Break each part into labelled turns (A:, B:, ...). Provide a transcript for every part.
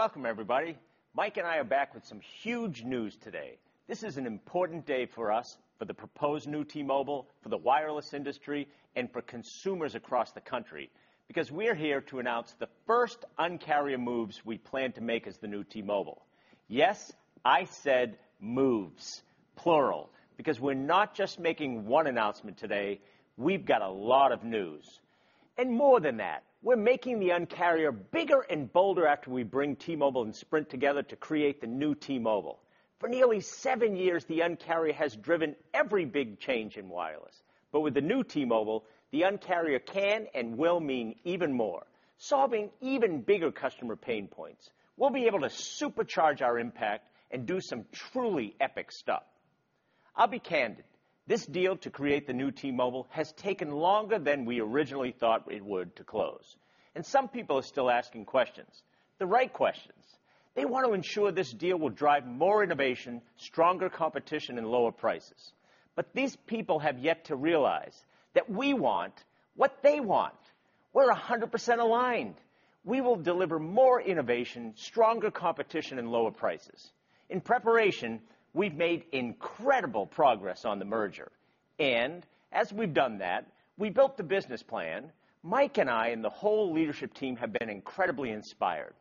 A: Welcome, everybody. Mike and I are back with some huge news today. This is an important day for us, for the proposed new T-Mobile, for the wireless industry, and for consumers across the country, because we are here to announce the first Un-carrier moves we plan to make as the new T-Mobile. Yes, I said moves, plural, because we're not just making one announcement today. We've got a lot of news. More than that, we're making the Un-carrier bigger and bolder after we bring T-Mobile and Sprint together to create the new T-Mobile. For nearly seven years, the Un-carrier has driven every big change in wireless. With the new T-Mobile, the Un-carrier can and will mean even more, solving even bigger customer pain points. We'll be able to supercharge our impact and do some truly epic stuff. I'll be candid. This deal to create the new T-Mobile has taken longer than we originally thought it would to close, and some people are still asking questions, the right questions. They want to ensure this deal will drive more innovation, stronger competition, and lower prices. These people have yet to realize that we want what they want. We're 100% aligned. We will deliver more innovation, stronger competition, and lower prices. In preparation, we've made incredible progress on the merger. As we've done that, we built the business plan. Mike and I and the whole leadership team have been incredibly inspired.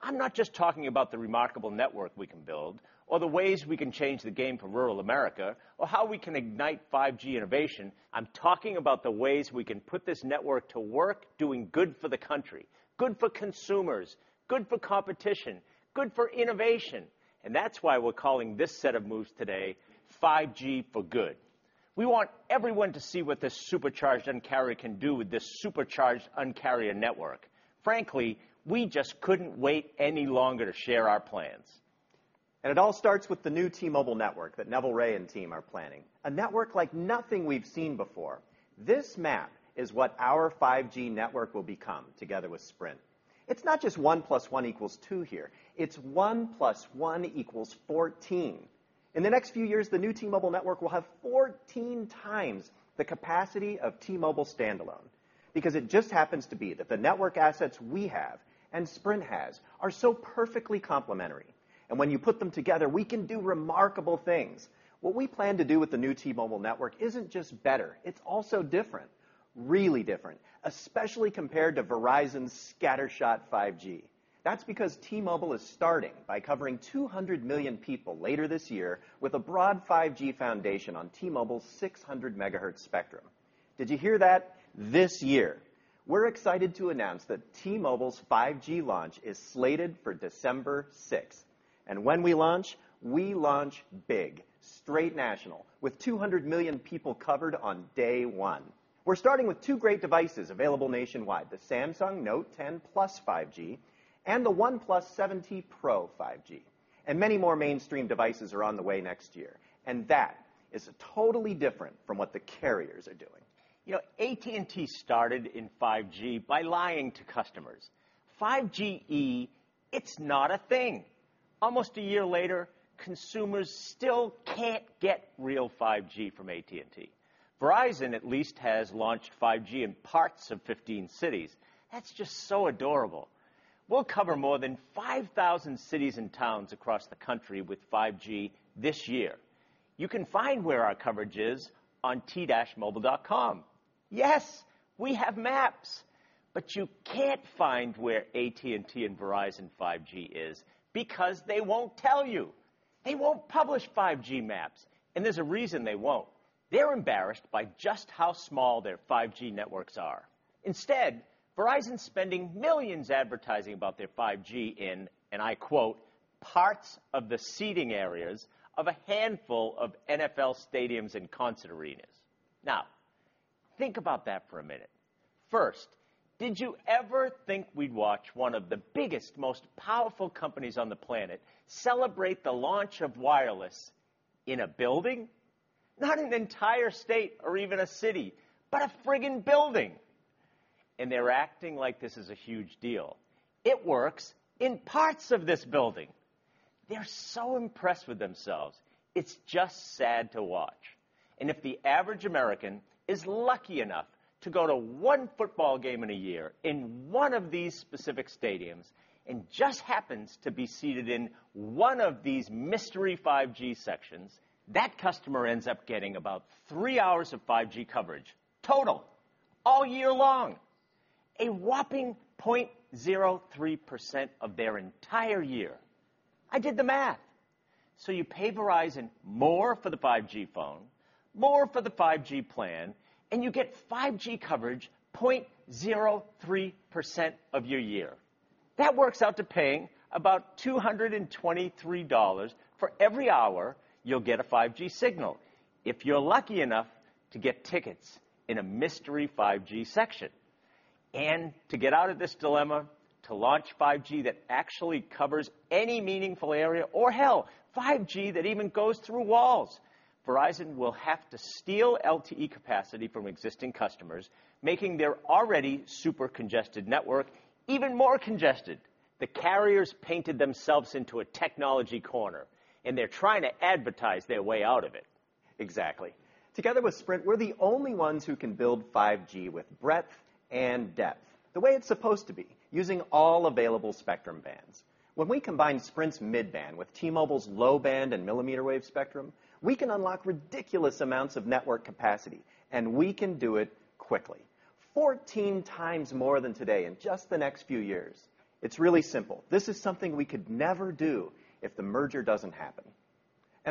A: I'm not just talking about the remarkable network we can build, or the ways we can change the game for rural America, or how we can ignite 5G innovation. I'm talking about the ways we can put this network to work, doing good for the country, good for consumers, good for competition, good for innovation. That's why we're calling this set of moves today 5G for Good. We want everyone to see what this supercharged Un-carrier can do with this supercharged Un-carrier network. Frankly, we just couldn't wait any longer to share our plans. It all starts with the new T-Mobile network that Neville Ray and team are planning, a network like nothing we've seen before. This map is what our 5G network will become together with Sprint. It's not just 1+1 equals two here. It's 1+1 equals 14. In the next few years, the new T-Mobile network will have 14 times the capacity of T-Mobile standalone, because it just happens to be that the network assets we have and Sprint has are so perfectly complementary, and when you put them together, we can do remarkable things. What we plan to do with the new T-Mobile network isn't just better, it's also different, really different, especially compared to Verizon's scattershot 5G. That's because T-Mobile is starting by covering 200 million people later this year with a broad 5G foundation on T-Mobile's 600 MHz spectrum. Did you hear that? This year. We're excited to announce that T-Mobile's 5G launch is slated for December 6th. When we launch, we launch big, straight national, with 200 million people covered on day one. We're starting with two great devices available nationwide, the Samsung Galaxy Note10+ 5G and the OnePlus 7T Pro 5G, and many more mainstream devices are on the way next year. That is totally different from what the carriers are doing. You know, AT&T started in 5G by lying to customers. 5G E, it's not a thing. Almost a year later, consumers still can't get real 5G from AT&T. Verizon at least has launched 5G in parts of 15 cities. That's just so adorable. We'll cover more than 5,000 cities and towns across the country with 5G this year. You can find where our coverage is on t-mobile.com. Yes, we have maps. You can't find where AT&T and Verizon 5G is because they won't tell you. They won't publish 5G maps, and there's a reason they won't. They're embarrassed by just how small their 5G networks are. Instead, Verizon's spending $ millions advertising about their 5G in, and I quote, "parts of the seating areas of a handful of NFL stadiums and concert arenas." Think about that for a minute. Did you ever think we'd watch one of the biggest, most powerful companies on the planet celebrate the launch of wireless in a building? Not an entire state or even a city, but a frigging building. They're acting like this is a huge deal. It works in parts of this building. They're so impressed with themselves, it's just sad to watch. If the average American is lucky enough to go to one football game in a year in one of these specific stadiums and just happens to be seated in one of these mystery 5G sections, that customer ends up getting about three hours of 5G coverage total, all year long. A whopping 0.03% of their entire year. I did the math. You pay Verizon more for the 5G phone, more for the 5G plan, and you get 5G coverage 0.03% of your year. That works out to paying about $223 for every hour you'll get a 5G signal, if you're lucky enough to get tickets in a mystery 5G section. To get out of this dilemma, to launch 5G that actually covers any meaningful area, or hell, 5G that even goes through walls, Verizon will have to steal LTE capacity from existing customers, making their already super congested network even more congested. The carriers painted themselves into a technology corner, they're trying to advertise their way out of it. Exactly. Together with Sprint, we're the only ones who can build 5G with breadth and depth the way it's supposed to be, using all available spectrum bands. When we combine Sprint's mid-band with T-Mobile's low-band and millimeter wave spectrum, we can unlock ridiculous amounts of network capacity, and we can do it quickly. 14 times more than today in just the next few years. It's really simple. This is something we could never do if the merger doesn't happen.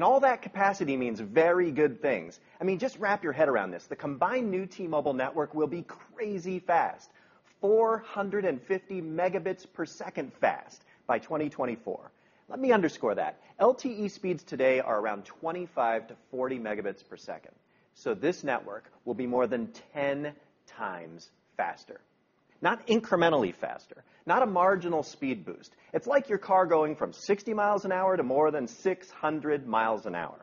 A: All that capacity means very good things. Just wrap your head around this. The combined new T-Mobile network will be crazy fast, 450 Mbps fast by 2024. Let me underscore that. LTE speeds today are around 25 Mbps-40 Mbps. This network will be more than 10 times faster. Not incrementally faster. Not a marginal speed boost. It's like your car going from 60 mi/hr to more than 600 mi/hr.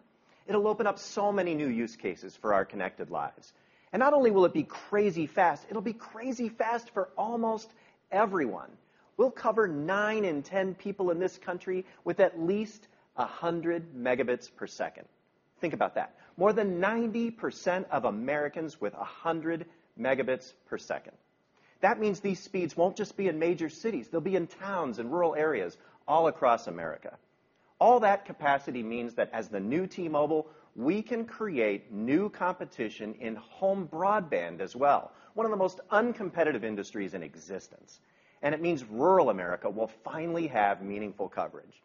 A: It'll open up so many new use cases for our connected lives. Not only will it be crazy fast, it'll be crazy fast for almost everyone. We'll cover nine in 10 people in this country with at least 100 Mbps. Think about that. More than 90% of Americans with 100 Mbps. That means these speeds won't just be in major cities. They'll be in towns and rural areas all across America. All that capacity means that as the new T-Mobile, we can create new competition in home broadband as well, one of the most uncompetitive industries in existence. It means rural America will finally have meaningful coverage.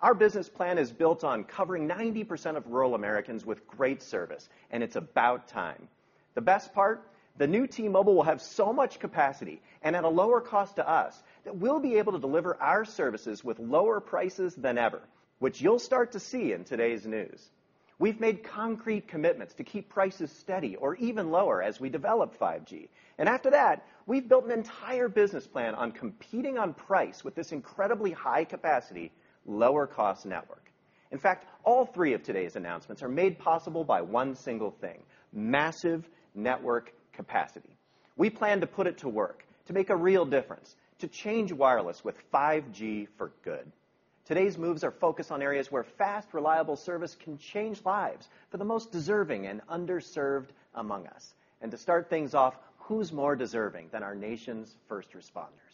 A: Our business plan is built on covering 90% of rural Americans with great service, and it's about time. The best part, the new T-Mobile will have so much capacity and at a lower cost to us that we'll be able to deliver our services with lower prices than ever, which you'll start to see in today's news. We've made concrete commitments to keep prices steady or even lower as we develop 5G. After that, we've built an entire business plan on competing on price with this incredibly high capacity, lower cost network. In fact, all three of today's announcements are made possible by one single thing, massive network capacity. We plan to put it to work to make a real difference, to change wireless with 5G for Good. Today's moves are focused on areas where fast, reliable service can change lives for the most deserving and underserved among us. To start things off, who's more deserving than our nation's first responders?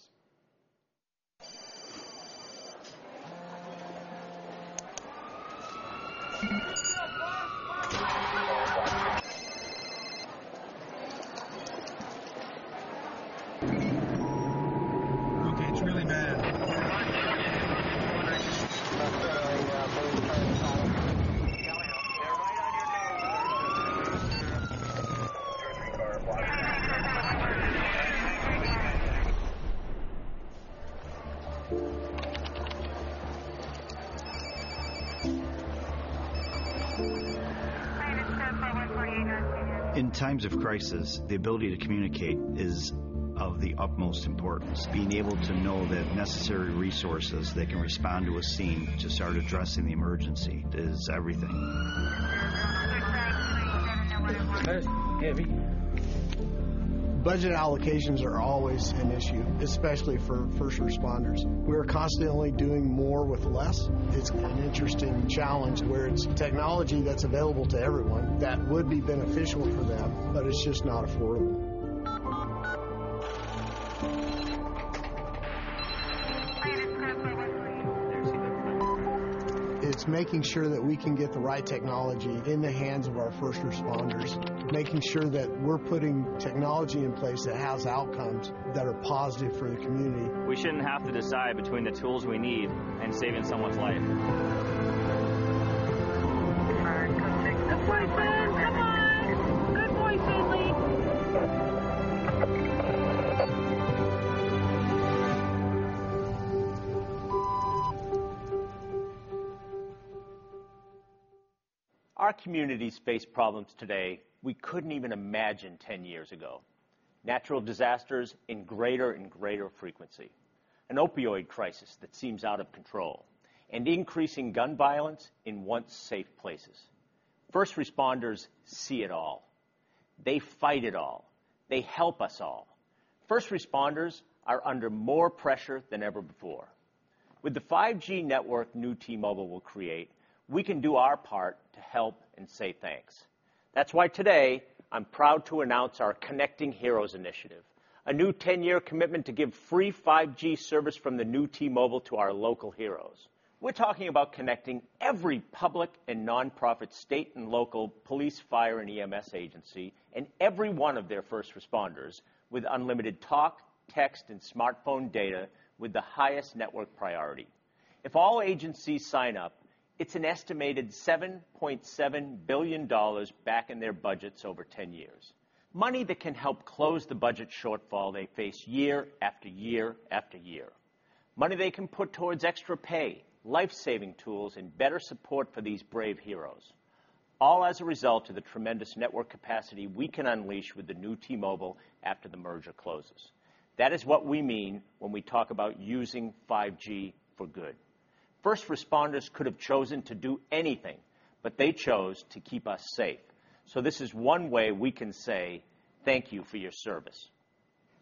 B: In times of crisis, the ability to communicate is of the utmost importance. Being able to know that necessary resources that can respond to a scene to start addressing the emergency is everything. Budget allocations are always an issue, especially for first responders. We are constantly doing more with less. It's an interesting challenge where it's technology that's available to everyone that would be beneficial for them, but it's just not affordable. It's making sure that we can get the right technology in the hands of our first responders. Making sure that we're putting technology in place that has outcomes that are positive for the community.
C: We shouldn't have to decide between the tools we need and saving someone's life. Our communities face problems today we couldn't even imagine 10 years ago. Natural disasters in greater and greater frequency, an opioid crisis that seems out of control, and increasing gun violence in once safe places. First responders see it all. They fight it all. They help us all. First responders are under more pressure than ever before. With the 5G network new T-Mobile will create, we can do our part to help and say thanks. That's why today I'm proud to announce our Connecting Heroes initiative, a new 10-year commitment to give free 5G service from the new T-Mobile to our local heroes. We're talking about connecting every public and nonprofit state and local police, fire, and EMS agency, and every one of their first responders with unlimited talk, text, and smartphone data with the highest network priority. If all agencies sign up, it's an estimated $7.7 billion back in their budgets over 10 years. Money that can help close the budget shortfall they face year, after year, after year. Money they can put towards extra pay, life-saving tools, and better support for these brave heroes. All as a result of the tremendous network capacity we can unleash with the new T-Mobile after the merger closes. That is what we mean when we talk about using 5G for Good. First responders could have chosen to do anything, but they chose to keep us safe. This is one way we can say thank you for your service.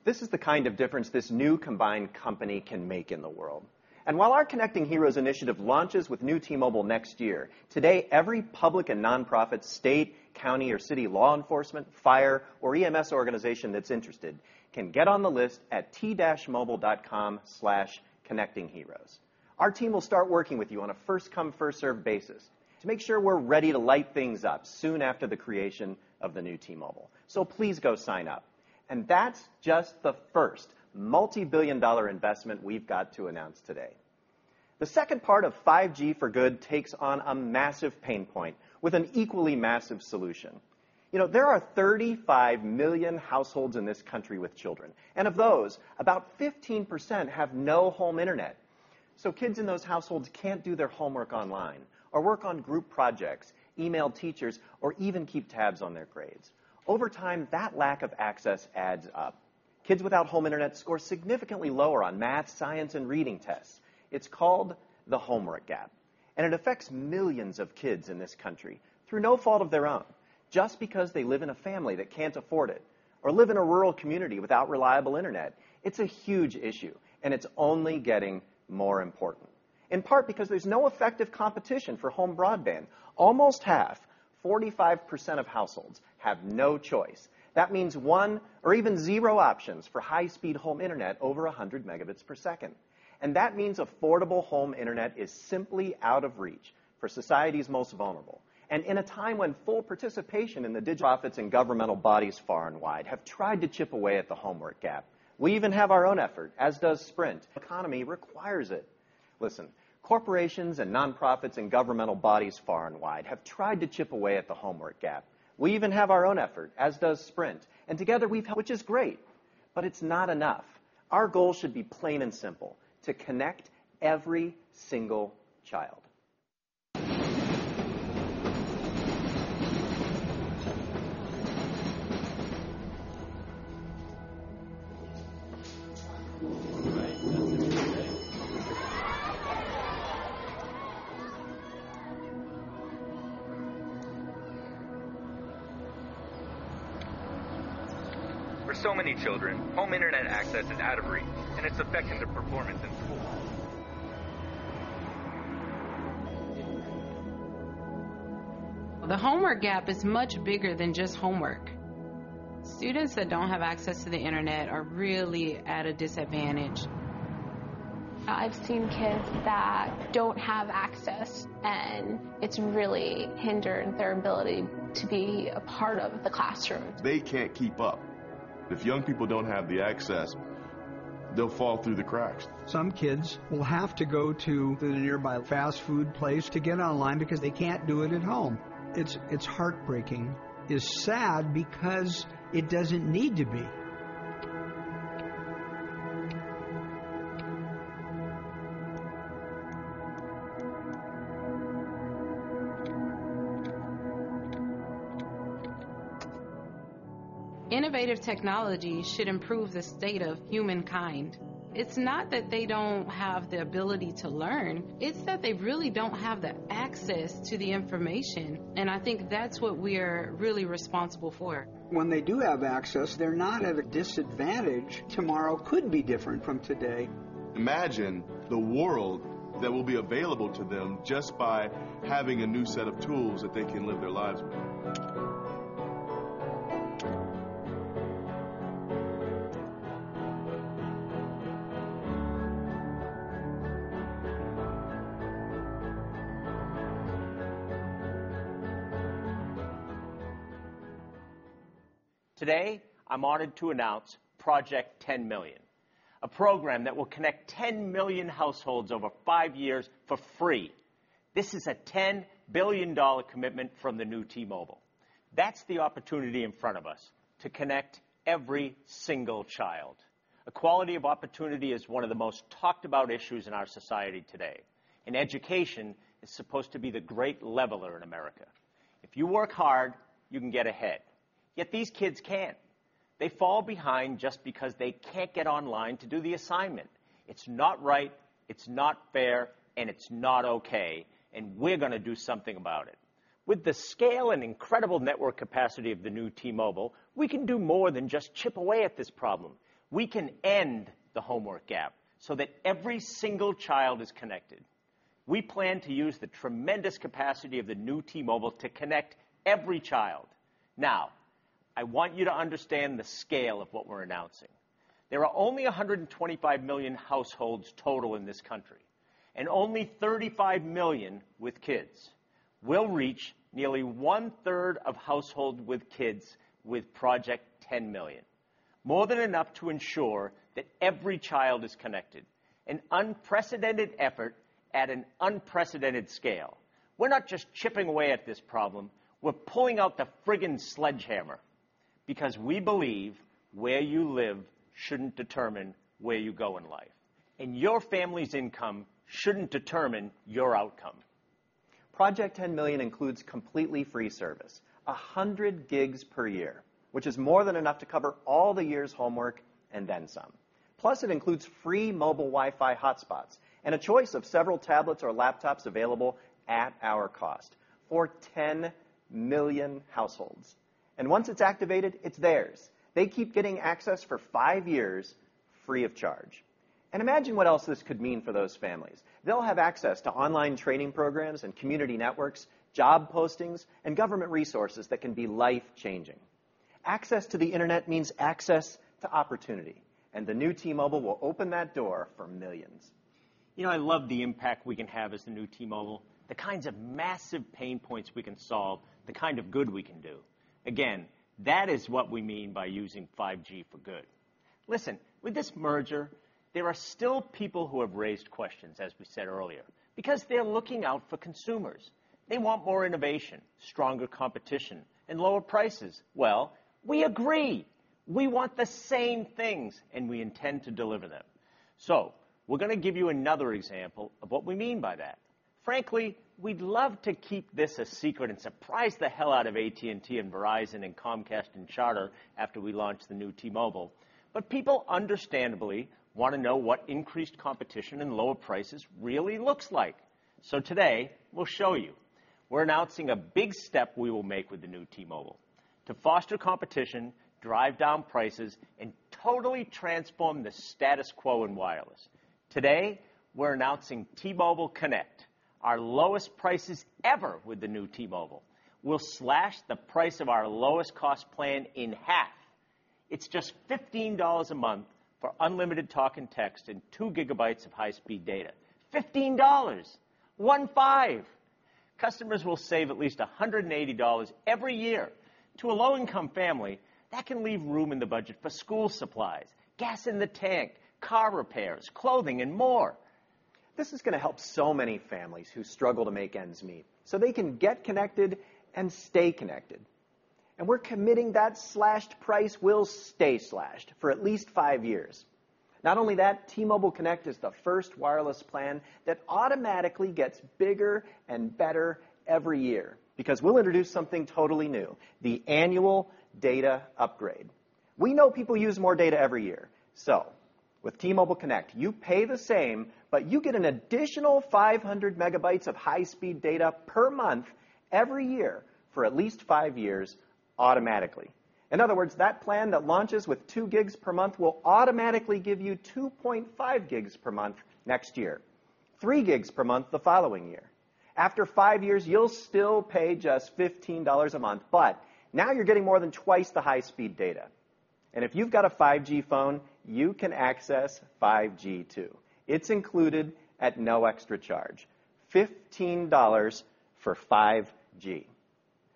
C: This is the kind of difference this new combined company can make in the world. While our Connecting Heroes initiative launches with new T-Mobile next year, today, every public and non-profit state, county or city law enforcement, fire or EMS organization that's interested can get on the list at t-mobile.com/connectingheroes. Our team will start working with you on a first come, first served basis to make sure we're ready to light things up soon after the creation of the new T-Mobile. Please go sign up. That's just the first multi-billion dollar investment we've got to announce today. The second part of 5G for Good takes on a massive pain point with an equally massive solution. There are 35 million households in this country with children, and of those, about 15% have no home internet. Kids in those households can't do their homework online or work on group projects, email teachers, or even keep tabs on their grades. Over time, that lack of access adds up. Kids without home internet score significantly lower on math, science, and reading tests. It's called the Homework Gap. It affects millions of kids in this country through no fault of their own, just because they live in a family that can't afford it or live in a rural community without reliable internet. It's a huge issue. It's only getting more important, in part because there's no effective competition for home broadband. Almost half, 45% of households, have no choice. That means one or even zero options for high-speed home internet over 100 Mbps. That means affordable home internet is simply out of reach for society's most vulnerable. Nonprofits and governmental bodies far and wide have tried to chip away at the Homework Gap. We even have our own effort, as does Sprint. economy requires it. Listen, corporations and nonprofits and governmental bodies far and wide have tried to chip away at the Homework Gap. We even have our own effort, as does Sprint, and together, which is great, but it's not enough. Our goal should be plain and simple, to connect every single child. For so many children, home internet access is out of reach, and it's affecting their performance in school.
B: The Homework Gap is much bigger than just homework. Students that don't have access to the internet are really at a disadvantage. I've seen kids that don't have access, and it's really hindered their ability to be a part of the classroom. They can't keep up. If young people don't have the access, they'll fall through the cracks. Some kids will have to go to the nearby fast food place to get online because they can't do it at home. It's heartbreaking. It's sad because it doesn't need to be. Innovative technology should improve the state of humankind. It's not that they don't have the ability to learn, it's that they really don't have the access to the information, and I think that's what we're really responsible for. When they do have access, they're not at a disadvantage. Tomorrow could be different from today. Imagine the world that will be available to them just by having a new set of tools that they can live their lives with.
C: Today, I'm honored to announce Project 10Million, a program that will connect 10 million households over five years for free. This is a $10 billion commitment from the new T-Mobile. That's the opportunity in front of us, to connect every single child. Equality of opportunity is one of the most talked about issues in our society today. Education is supposed to be the great leveler in America. If you work hard, you can get ahead. These kids can't. They fall behind just because they can't get online to do the assignment. It's not right, it's not fair. It's not okay. We're going to do something about it. With the scale and incredible network capacity of the new T-Mobile, we can do more than just chip away at this problem. We can end the Homework Gap so that every single child is connected. We plan to use the tremendous capacity of the new T-Mobile to connect every child. Now, I want you to understand the scale of what we're announcing. There are only 125 million households total in this country, and only 35 million with kids. We'll reach nearly 1/3 of households with kids with Project 10Million. More than enough to ensure that every child is connected. An unprecedented effort at an unprecedented scale. We're not just chipping away at this problem, we're pulling out the frigging sledgehammer because we believe where you live shouldn't determine where you go in life, and your family's income shouldn't determine your outcome. Project 10Million includes completely free service, 100 GB per year, which is more than enough to cover all the year's homework and then some. Plus it includes free mobile Wi-Fi hotspots and a choice of several tablets or laptops available at our cost for 10 million households. Once it's activated, it's theirs. They keep getting access for five years, free of charge. Imagine what else this could mean for those families. They'll have access to online training programs and community networks, job postings, and government resources that can be life-changing. Access to the internet means access to opportunity, and the new T-Mobile will open that door for millions.
A: I love the impact we can have as the new T-Mobile, the kinds of massive pain points we can solve, the kind of good we can do. That is what we mean by using 5G for Good. Listen, with this merger, there are still people who have raised questions, as we said earlier, because they're looking out for consumers. They want more innovation, stronger competition, and lower prices. Well, we agree. We want the same things, and we intend to deliver them. We're going to give you another example of what we mean by that. Frankly, we'd love to keep this a secret and surprise the hell out of AT&T and Verizon and Comcast and Charter after we launch the new T-Mobile. People understandably want to know what increased competition and lower prices really looks like. Today, we'll show you. We're announcing a big step we will make with the new T-Mobile to foster competition, drive down prices, and totally transform the status quo in wireless. Today, we're announcing T-Mobile Connect, our lowest prices ever with the new T-Mobile. We'll slash the price of our lowest cost plan in half. It's just $15 a month for unlimited talk and text and 2GB of high-speed data. $15. 15. Customers will save at least $180 every year. To a low-income family, that can leave room in the budget for school supplies, gas in the tank, car repairs, clothing, and more. This is going to help so many families who struggle to make ends meet so they can get connected and stay connected. We're committing that slashed price will stay slashed for at least five years. Not only that, T-Mobile Connect is the first wireless plan that automatically gets bigger and better every year because we'll introduce something totally new, the Annual Data Upgrade. We know people use more data every year. With T-Mobile Connect, you pay the same, but you get an additional 500 MB of high-speed data per month, every year, for at least five years automatically. In other words, that plan that launches with 2 gigs per month will automatically give you 2.5 gigs per month next year. 3 gigs per month the following year. After five years, you'll still pay just $15 a month, but now you're getting more than twice the high-speed data. If you've got a 5G phone, you can access 5G, too. It's included at no extra charge. $15 for 5G.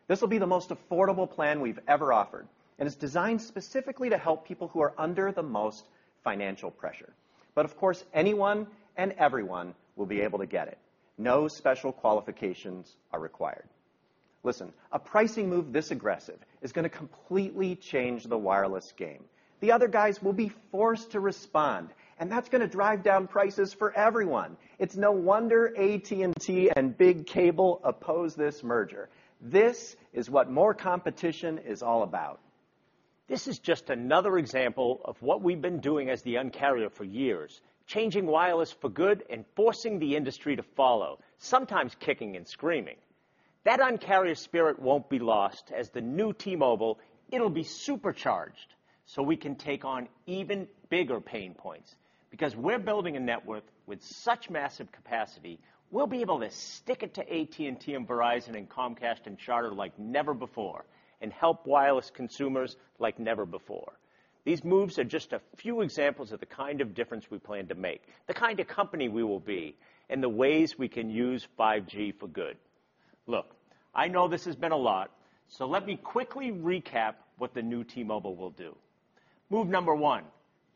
A: This will be the most affordable plan we've ever offered, and it's designed specifically to help people who are under the most financial pressure. Of course, anyone and everyone will be able to get it. No special qualifications are required. Listen, a pricing move this aggressive is going to completely change the wireless game. The other guys will be forced to respond, and that's going to drive down prices for everyone. It's no wonder AT&T and big cable oppose this merger. This is what more competition is all about. This is just another example of what we've been doing as the Un-carrier for years, changing wireless for good and forcing the industry to follow, sometimes kicking and screaming. That Un-carrier spirit won't be lost as the new T-Mobile. It'll be supercharged so we can take on even bigger pain points. Because we're building a network with such massive capacity, we'll be able to stick it to AT&T and Verizon and Comcast and Charter like never before and help wireless consumers like never before. These moves are just a few examples of the kind of difference we plan to make, the kind of company we will be, and the ways we can use 5G for Good. Look, I know this has been a lot, so let me quickly recap what the new T-Mobile will do. Move number one,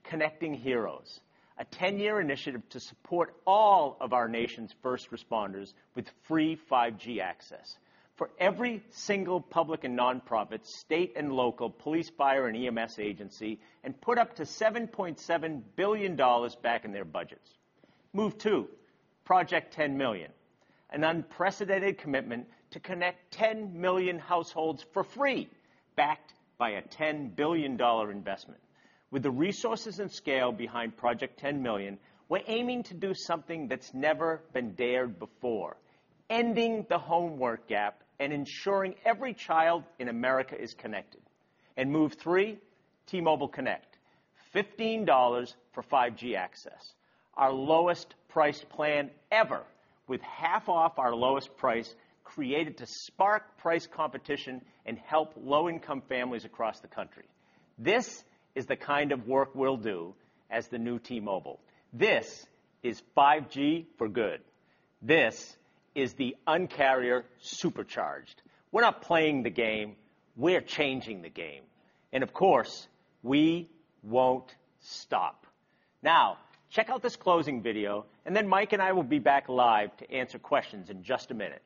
A: Connecting Heroes. A 10-year initiative to support all of our nation's first responders with free 5G access. For every single public and nonprofit, state and local police, fire, and EMS agency, and put up to $7.7 billion back in their budgets. Move two, Project 10Million, an unprecedented commitment to connect 10 million households for free, backed by a $10 billion investment. With the resources and scale behind Project 10Million, we're aiming to do something that's never been dared before, ending the Homework Gap and ensuring every child in America is connected. Move three, T-Mobile Connect, $15 for 5G access. Our lowest price plan ever with half off our lowest price, created to spark price competition and help low-income families across the country. This is the kind of work we'll do as the new T-Mobile. This is 5G for Good. This is the Un-carrier supercharged. We're not playing the game. We're changing the game. Of course, we won't stop. Check out this closing video, Mike and I will be back live to answer questions in just a minute.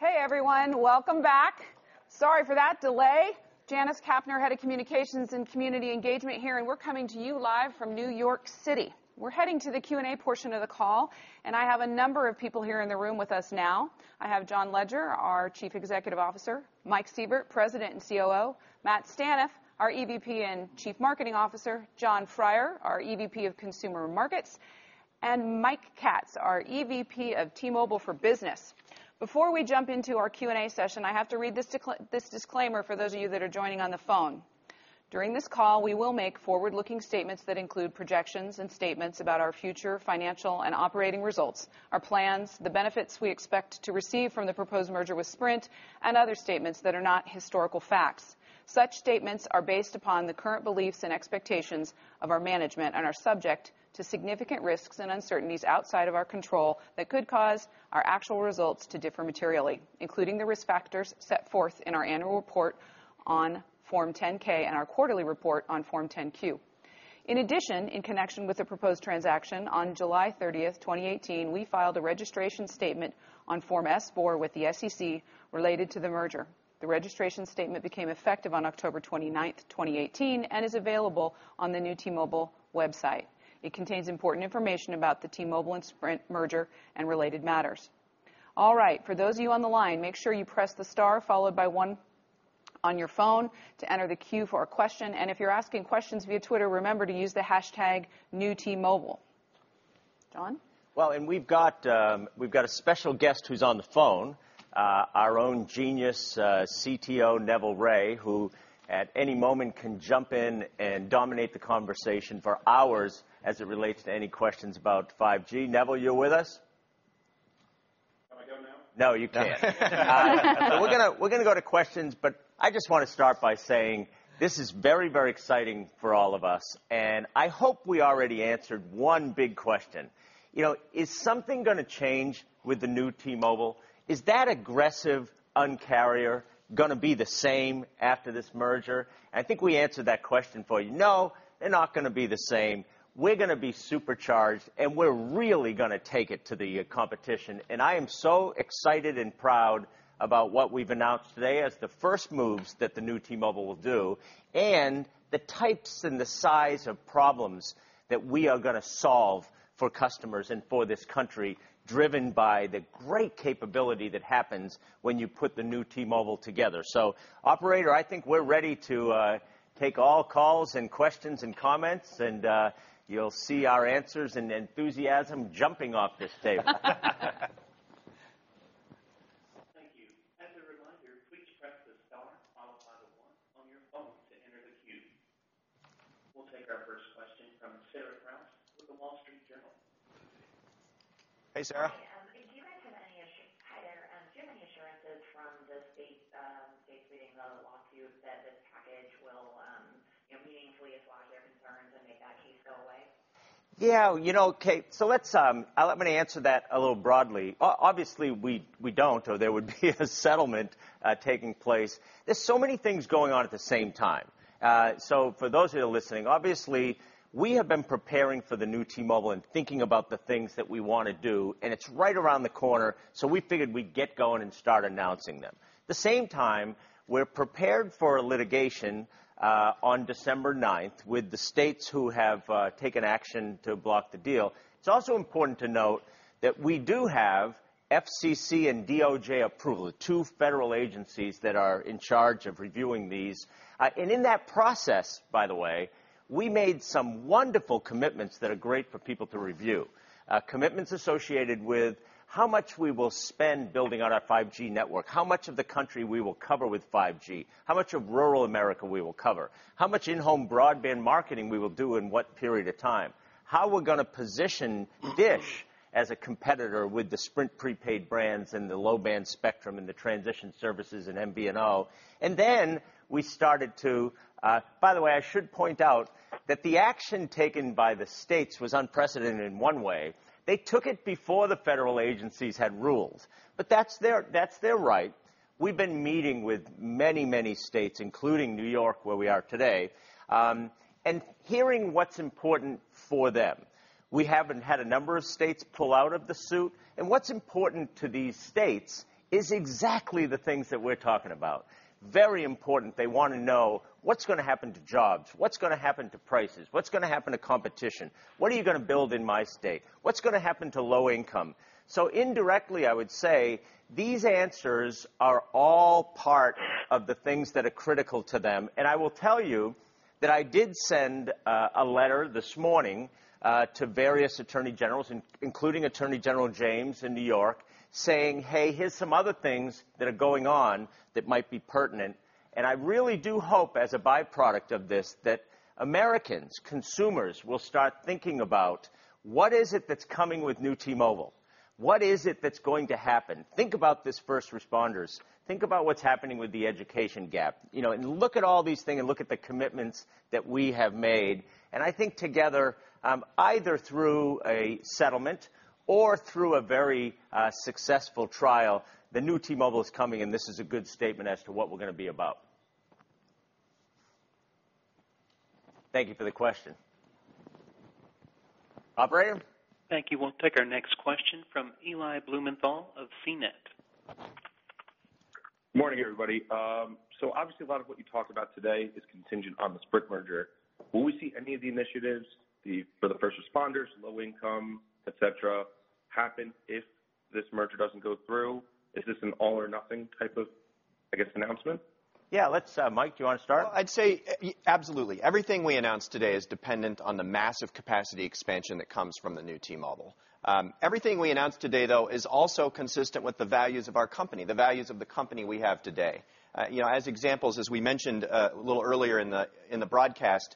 D: Hey, everyone. Welcome back. Sorry for that delay. Janice Kapner, Head of Communications and Community Engagement here, and we're coming to you live from New York City. We're heading to the Q&A portion of the call, and I have a number of people here in the room with us now. I have John Legere, our Chief Executive Officer, Mike Sievert, President and COO, Matt Staneff, our EVP and Chief Marketing Officer, Jon Freier, our EVP of Consumer Markets, and Mike Katz, our EVP of T-Mobile for Business. Before we jump into our Q&A session, I have to read this disclaimer for those of you that are joining on the phone. During this call, we will make forward-looking statements that include projections and statements about our future financial and operating results, our plans, the benefits we expect to receive from the proposed merger with Sprint, and other statements that are not historical facts. Such statements are based upon the current beliefs and expectations of our management and are subject to significant risks and uncertainties outside of our control that could cause our actual results to differ materially, including the risk factors set forth in our annual report on Form 10-K and our quarterly report on Form 10-Q. In addition, in connection with the proposed transaction, on July 30th, 2018, we filed a registration statement on Form S-4 with the SEC related to the merger. The registration statement became effective on October 29th, 2018, and is available on the new T-Mobile website. It contains important information about the T-Mobile and Sprint merger and related matters. All right, for those of you on the line, make sure you press star one on your phone to enter the queue for a question. If you're asking questions via Twitter, remember to use the hashtag #NewTMobile. John?
A: Well, we've got a special guest who's on the phone, our own genius, CTO Neville Ray, who at any moment can jump in and dominate the conversation for hours as it relates to any questions about 5G. Neville, you with us?
E: Can I go now?
A: No, you can't. We're going to go to questions, I just want to start by saying this is very, very exciting for all of us, and I hope we already answered one big question. Is something going to change with the new T-Mobile? Is that aggressive Un-carrier going to be the same after this merger? I think we answered that question for you. No, they're not going to be the same. We're going to be supercharged, and we're really going to take it to the competition. I am so excited and proud about what we've announced today as the first moves that the new T-Mobile will do, and the types and the size of problems that we are going to solve for customers and for this country, driven by the great capability that happens when you put the new T-Mobile together. Operator, I think we're ready to take all calls and questions and comments, and you'll see our answers and enthusiasm jumping off this table.
F: Thank you. As a reminder, please press the star followed by the one on your phone to enter the queue. We'll take our first question from Sarah Krouse with The Wall Street Journal.
A: Hey, Sarah.
G: the lawsuit? Easily assuage their concerns and make that case go away?
A: Yeah, let me answer that a little broadly. Obviously, we don't, or there would be a settlement taking place. There's so many things going on at the same time. For those of you listening, obviously, we have been preparing for the new T-Mobile and thinking about the things that we want to do, and it's right around the corner. We figured we'd get going and start announcing them. At the same time, we're prepared for a litigation on December 9th with the states who have taken action to block the deal. It's also important to note that we do have FCC and DOJ approval, the two federal agencies that are in charge of reviewing these. In that process, by the way, we made some wonderful commitments that are great for people to review. Commitments associated with how much we will spend building on our 5G network, how much of the country we will cover with 5G, how much of rural America we will cover, how much in-home broadband marketing we will do, in what period of time. How we're going to position DISH as a competitor with the Sprint prepaid brands and the low-band spectrum and the transition services and MVNO. By the way, I should point out that the action taken by the states was unprecedented in one way. They took it before the federal agencies had ruled. That's their right. We've been meeting with many states, including New York, where we are today, and hearing what's important for them. We have had a number of states pull out of the suit, and what's important to these states is exactly the things that we're talking about. Very important. They want to know what's going to happen to jobs, what's going to happen to prices, what's going to happen to competition. What are you going to build in my state? What's going to happen to low income? Indirectly, I would say these answers are all part of the things that are critical to them. I will tell you that I did send a letter this morning to various Attorney Generals, including Attorney General James in New York, saying, "Hey, here's some other things that are going on that might be pertinent." I really do hope, as a byproduct of this, that Americans, consumers will start thinking about what is it that's coming with new T-Mobile. What is it that's going to happen? Think about these first responders. Think about what's happening with the education gap. Look at all these things, and look at the commitments that we have made. I think together, either through a settlement or through a very successful trial, the new T-Mobile is coming, and this is a good statement as to what we're going to be about. Thank you for the question. Operator?
F: Thank you. We'll take our next question from Eli Blumenthal of CNET.
H: Morning, everybody. Obviously, a lot of what you talked about today is contingent on the Sprint merger. Will we see any of the initiatives for the first responders, low income, et cetera, happen if this merger doesn't go through? Is this an all or nothing type of, I guess, announcement?
A: Yeah. Mike, do you want to start?
C: Well, I'd say absolutely. Everything we announced today is dependent on the massive capacity expansion that comes from the new T-Mobile. Everything we announced today, though, is also consistent with the values of our company, the values of the company we have today. As examples, as we mentioned a little earlier in the broadcast,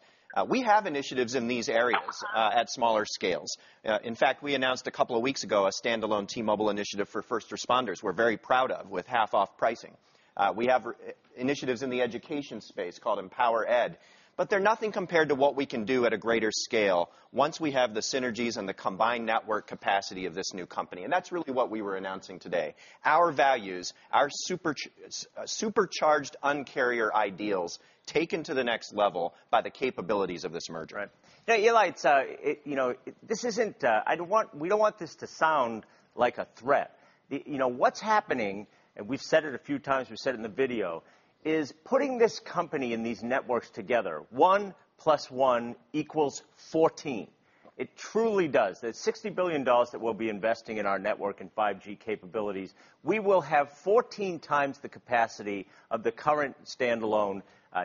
C: we have initiatives in these areas at smaller scales. In fact, we announced a couple of weeks ago a standalone T-Mobile initiative for first responders we're very proud of, with half-off pricing. We have initiatives in the education space called EmpowerED, but they're nothing compared to what we can do at a greater scale once we have the synergies and the combined network capacity of this new company. That's really what we were announcing today. Our values, our supercharged Un-carrier ideals taken to the next level by the capabilities of this merger.
A: Right. Yeah, Eli, we don't want this to sound like a threat. What's happening, and we've said it a few times, we said it in the video, is putting this company and these networks together, 1+1 equals 14. It truly does. There's $60 billion that we'll be investing in our network and 5G capabilities. We will have 14 times the capacity of the current standalone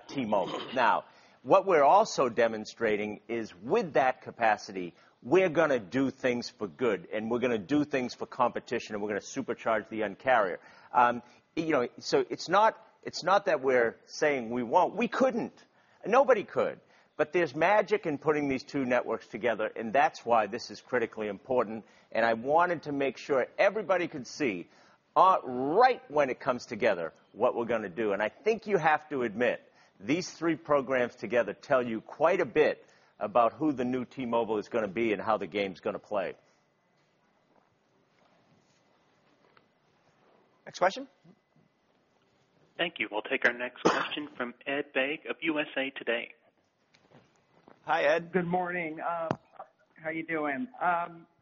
A: T-Mobile. What we're also demonstrating is with that capacity, we're going to do things for good, and we're going to do things for competition, and we're going to supercharge the Un-carrier. It's not that we're saying we won't. We couldn't. Nobody could. There's magic in putting these two networks together, and that's why this is critically important. I wanted to make sure everybody could see right when it comes together, what we're going to do. I think you have to admit, these three programs together tell you quite a bit about who the new T-Mobile is going to be and how the game's going to play. Next question.
F: Thank you. We'll take our next question from Ed Baig of USA Today.
I: Hi, Good morning. How are you doing?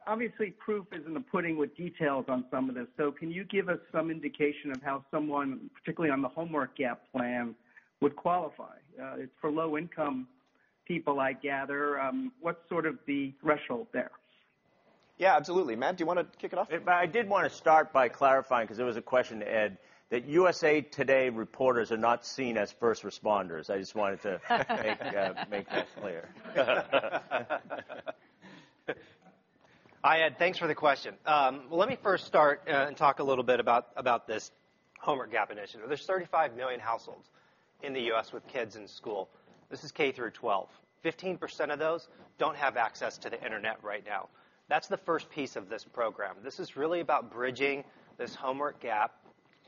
I: Obviously, proof is in the pudding with details on some of this. Can you give us some indication of how someone, particularly on the Homework Gap plan, would qualify? It's for low-income people, I gather. What's sort of the threshold there?
A: Yeah, absolutely. Matt, do you want to kick it off? I did want to start by clarifying because it was a question to Ed, that USA Today reporters are not seen as first responders. I just wanted to make that clear.
J: Hi, Ed. Thanks for the question. Let me first start and talk a little bit about this Homework Gap initiative. There's 35 million households in the U.S. with kids in school. This is K through 12. 15% of those don't have access to the internet right now. That's the first piece of this program. This is really about bridging this Homework Gap.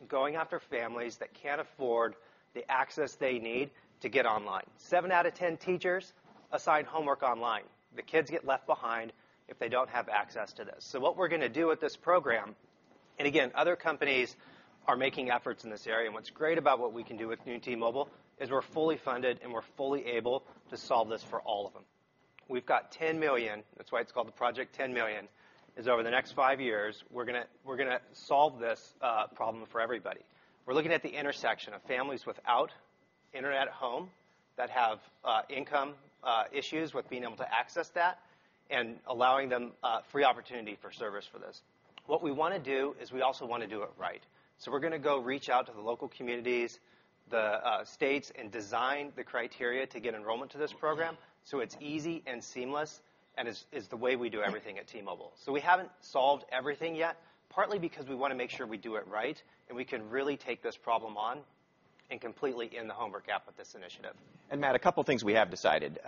J: Going after families that can't afford the access they need to get online. Seven out of 10 teachers assign homework online. The kids get left behind if they don't have access to this. What we're going to do with this program, and again, other companies are making efforts in this area, and what's great about what we can do with new T-Mobile is we're fully funded, and we're fully able to solve this for all of them. We've got 10 million. That's why it's called the Project 10Million, is over the next five years, we're going to solve this problem for everybody. We're looking at the intersection of families without internet at home that have income issues with being able to access that and allowing them a free opportunity for service for this. What we want to do is we also want to do it right. We're going to go reach out to the local communities, the states, and design the criteria to get enrollment to this program so it's easy and seamless and is the way we do everything at T-Mobile. We haven't solved everything yet, partly because we want to make sure we do it right and we can really take this problem on and completely end the Homework Gap with this initiative.
C: Matt, a couple things we have decided.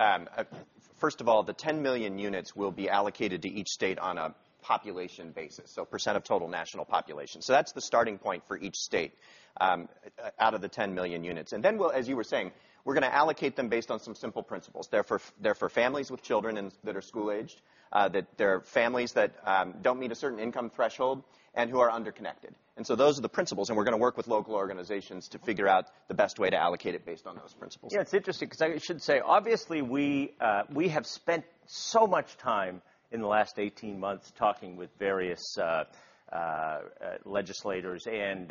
C: First of all, the 10 million units will be allocated to each state on a population basis, so % of total national population. That's the starting point for each state out of the 10 million units. Then we'll, as you were saying, we're going to allocate them based on some simple principles. They're for families with children that are school-aged, that they're families that don't meet a certain income threshold and who are under-connected. Those are the principles, and we're going to work with local organizations to figure out the best way to allocate it based on those principles.
A: It's interesting because I should say, obviously, we have spent so much time in the last 18 months talking with various legislators and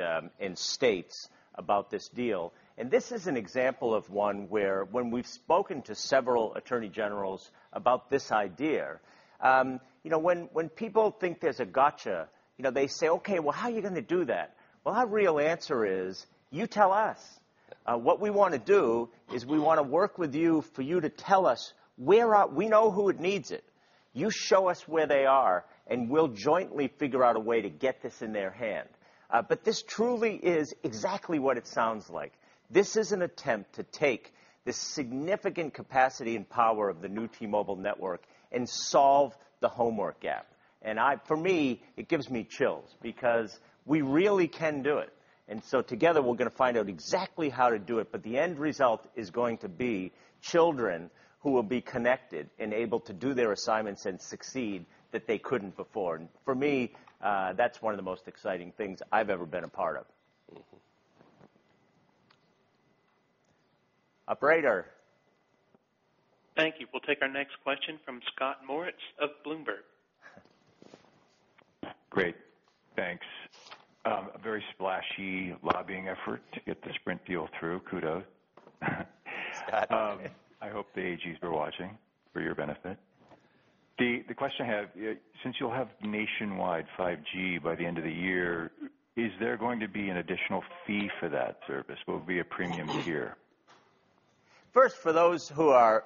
A: states about this deal, and this is an example of one where when we've spoken to several attorney generals about this idea. When people think there's a gotcha, they say, "Okay, well, how are you going to do that?" Our real answer is, you tell us. What we want to do is we want to work with you for you to tell us. We know who it needs it. You show us where they are, and we'll jointly figure out a way to get this in their hand. This truly is exactly what it sounds like. This is an attempt to take the significant capacity and power of the new T-Mobile network and solve the Homework Gap. For me, it gives me chills because we really can do it. Together, we're going to find out exactly how to do it. The end result is going to be children who will be connected and able to do their assignments and succeed that they couldn't before. For me, that's one of the most exciting things I've ever been a part of. Operator.
F: Thank you. We'll take our next question from Scott Moritz of Bloomberg.
K: Great. Thanks. A very splashy lobbying effort to get the Sprint deal through. Kudos.
A: Scott.
K: I hope the AGs were watching for your benefit. The question I have, since you'll have nationwide 5G by the end of the year, is there going to be an additional fee for that service? Will it be a premium tier?
A: First, for those who are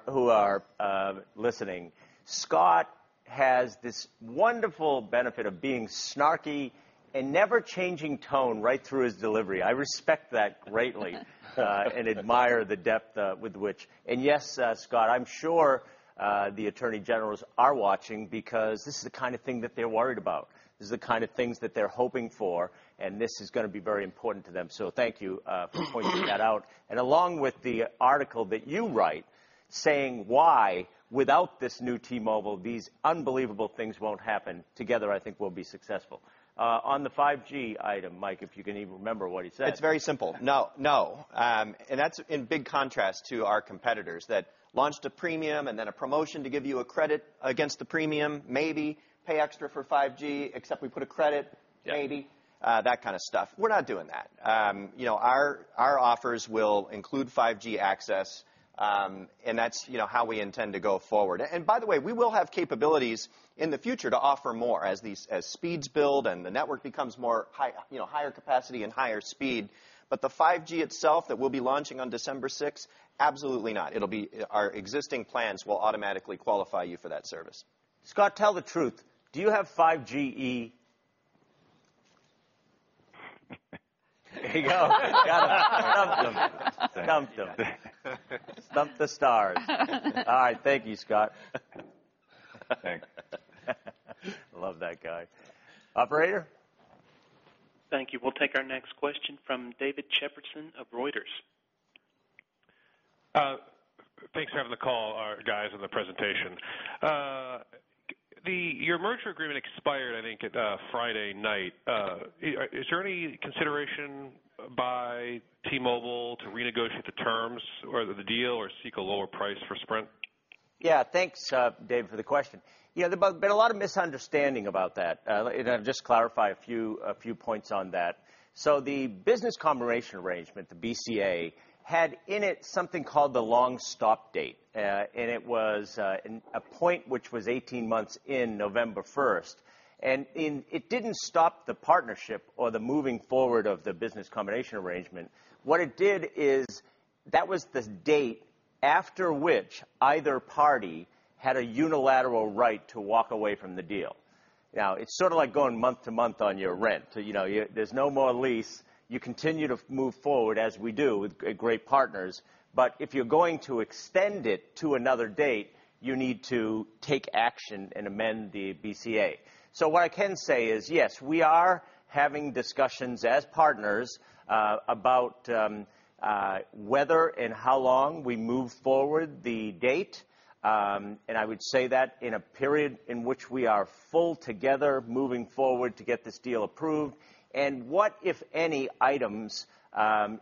A: listening, Scott has this wonderful benefit of being snarky and never changing tone right through his delivery. I respect that greatly, and admire the depth with which. Yes, Scott, I'm sure, the attorney generals are watching because this is the kind of thing that they're worried about. This is the kind of things that they're hoping for, and this is going to be very important to them. Thank you for pointing that out. Along with the article that you write saying why without this new T-Mobile, these unbelievable things won't happen. Together, I think we'll be successful. On the 5G item, Mike, if you can even remember what he said.
C: It's very simple. No. That's in big contrast to our competitors that launched a premium and then a promotion to give you a credit against the premium, maybe pay extra for 5G, except we put a credit, maybe. That kind of stuff. We're not doing that. Our offers will include 5G access, and that's how we intend to go forward. By the way, we will have capabilities in the future to offer more as speeds build and the network becomes more higher capacity and higher speed. The 5G itself that we'll be launching on December 6, absolutely not. Our existing plans will automatically qualify you for that service.
A: Scott, tell the truth. Do you have 5G E? There you go. Got him. Stumped him. Stumped him. Stumped the stars. All right. Thank you, Scott.
K: Thanks.
A: Love that guy. Operator.
F: Thank you. We'll take our next question from David Shepardson of Reuters.
L: Thanks for having the call, guys, and the presentation. Your merger agreement expired, I think, Friday night. Is there any consideration by T-Mobile to renegotiate the terms or the deal or seek a lower price for Sprint?
A: Yeah. Thanks, Dave, for the question. There's been a lot of misunderstanding about that. Let me just clarify a few points on that. The Business Combination Arrangement, the BCA, had in it something called the long stop date, and it was a point which was 18 months in November 1st. It didn't stop the partnership or the moving forward of the Business Combination Arrangement. What it did is that was the date after which either party had a unilateral right to walk away from the deal. Now, it's sort of like going month to month on your rent. There's no more lease. You continue to move forward, as we do with great partners. If you're going to extend it to another date, you need to take action and amend the BCA. What I can say is, yes, we are having discussions as partners about whether and how long we move forward the date. I would say that in a period in which we are full together moving forward to get this deal approved. What, if any items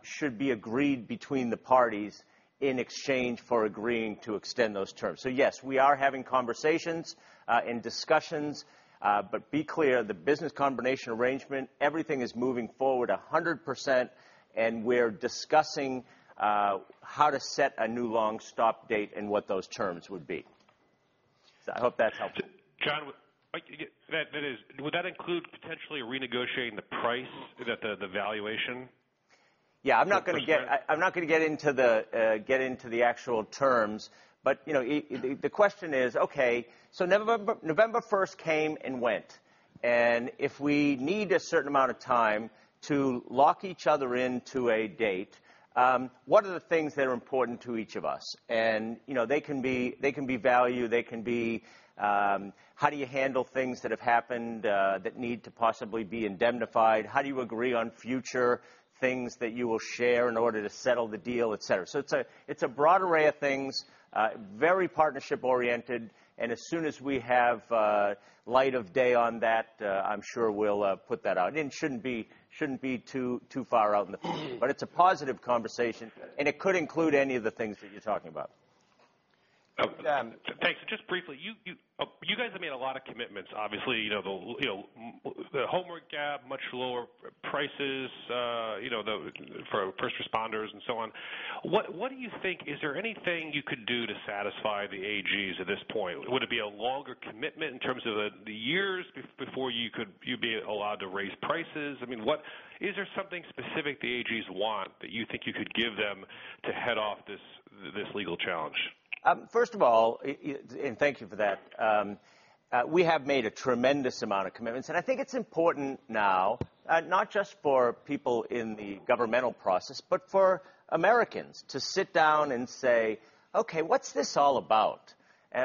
A: should be agreed between the parties in exchange for agreeing to extend those terms. Yes, we are having conversations and discussions. Be clear, the Business Combination Arrangement, everything is moving forward 100% and we're discussing how to set a new long stop date and what those terms would be. I hope that's helpful.
L: John, would that include potentially renegotiating the price? Is that the valuation?
A: Yeah. I'm not going to get into the actual terms. The question is, okay, November 1st came and went, if we need a certain amount of time to lock each other into a date, what are the things that are important to each of us? They can be value, they can be how do you handle things that have happened that need to possibly be indemnified? How do you agree on future things that you will share in order to settle the deal, et cetera. It's a broad array of things, very partnership oriented, as soon as we have light of day on that, I'm sure we'll put that out. It shouldn't be too far out. It's a positive conversation, it could include any of the things that you're talking about.
L: Thanks. Just briefly, you guys have made a lot of commitments, obviously, the Homework Gap, much lower prices for first responders and so on. What do you think, is there anything you could do to satisfy the AGs at this point? Would it be a longer commitment in terms of the years before you'd be allowed to raise prices? I mean, is there something specific the AGs want that you think you could give them to head off this legal challenge?
A: First of all, thank you for that. We have made a tremendous amount of commitments, and I think it's important now, not just for people in the governmental process, but for Americans to sit down and say, "Okay, what's this all about?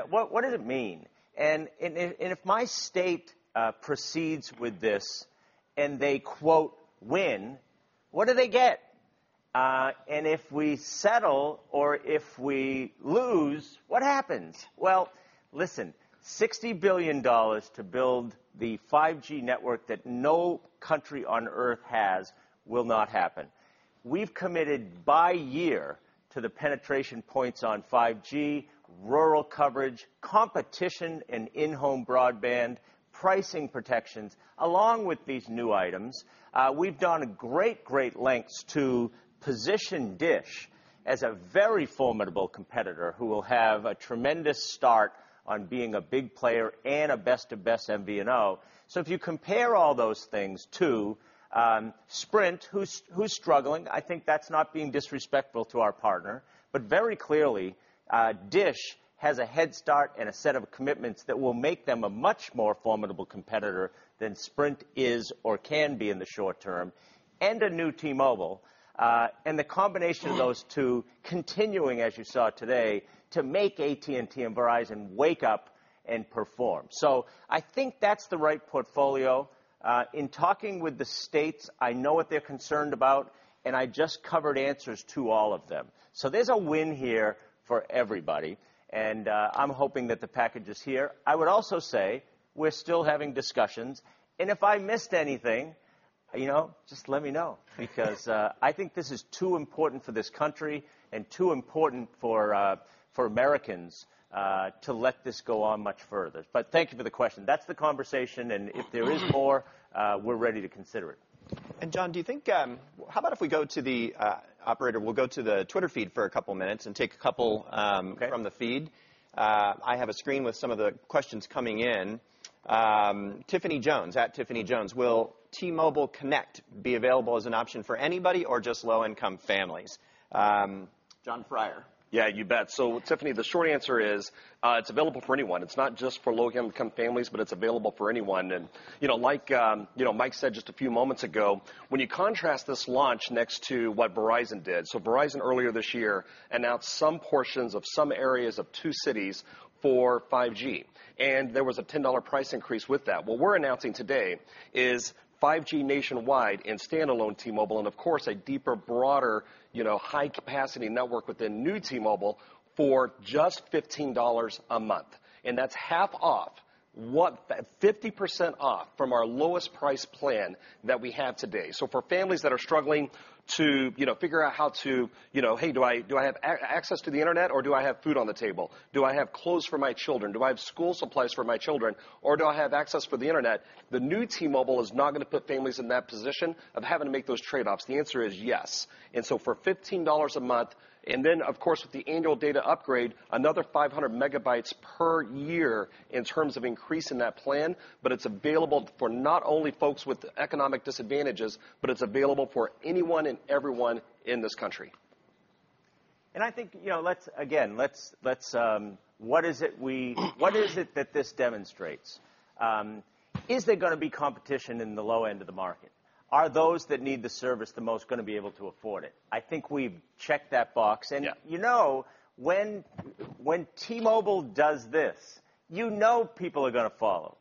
A: What does it mean? And if my state proceeds with this and they quote win, what do they get? And if we settle or if we lose, what happens?" Well, listen, $60 billion to build the 5G network that no country on Earth has will not happen. We've committed by year to the penetration points on 5G, rural coverage, competition and in-home broadband, pricing protections. Along with these new items, we've gone to great lengths to position DISH as a very formidable competitor who will have a tremendous start on being a big player and a best of best MVNO. If you compare all those things to Sprint, who is struggling, I think that's not being disrespectful to our partner. Very clearly, DISH has a head start and a set of commitments that will make them a much more formidable competitor than Sprint is or can be in the short term, and a new T-Mobile. The combination of those two continuing, as you saw today, to make AT&T and Verizon wake up and perform. I think that's the right portfolio. In talking with the states, I know what they're concerned about, and I just covered answers to all of them. There's a win here for everybody, and I'm hoping that the package is here. I would also say we're still having discussions, and if I missed anything, just let me know. I think this is too important for this country and too important for Americans to let this go on much further. Thank you for the question. That's the conversation, and if there is more, we're ready to consider it.
C: John, how about if we go to the operator? We'll go to the Twitter feed for a couple of minutes.
A: Okay
C: from the feed. I have a screen with some of the questions coming in. Tiffany Jones, @TiffanyJones, "Will T-Mobile Connect be available as an option for anybody or just low-income families?" Jon Freier.
M: Yeah, you bet. Tiffany, the short answer is, it's available for anyone. It's not just for low-income families, but it's available for anyone. Like Mike said just a few moments ago, when you contrast this launch next to what Verizon did. Verizon earlier this year announced some portions of some areas of two cities for 5G. There was a $10 price increase with that. What we're announcing today is 5G nationwide and standalone T-Mobile, and of course, a deeper, broader, high capacity network within new T-Mobile for just $15 a month. That's half off, 50% off from our lowest price plan that we have today. For families that are struggling to figure out, "Hey, do I have access to the Internet or do I have food on the table? Do I have clothes for my children? Do I have school supplies for my children or do I have access for the Internet? The new T-Mobile is not going to put families in that position of having to make those trade-offs. The answer is yes. For $15 a month, and then of course, with the Annual Data Upgrade, another 500 MB per year in terms of increase in that plan. It's available for not only folks with economic disadvantages, but it's available for anyone and everyone in this country.
A: I think, again, what is it that this demonstrates? Is there going to be competition in the low end of the market? Are those that need the service the most going to be able to afford it? I think we've checked that box.
C: Yeah.
A: When T-Mobile does this, you know people are going to follow.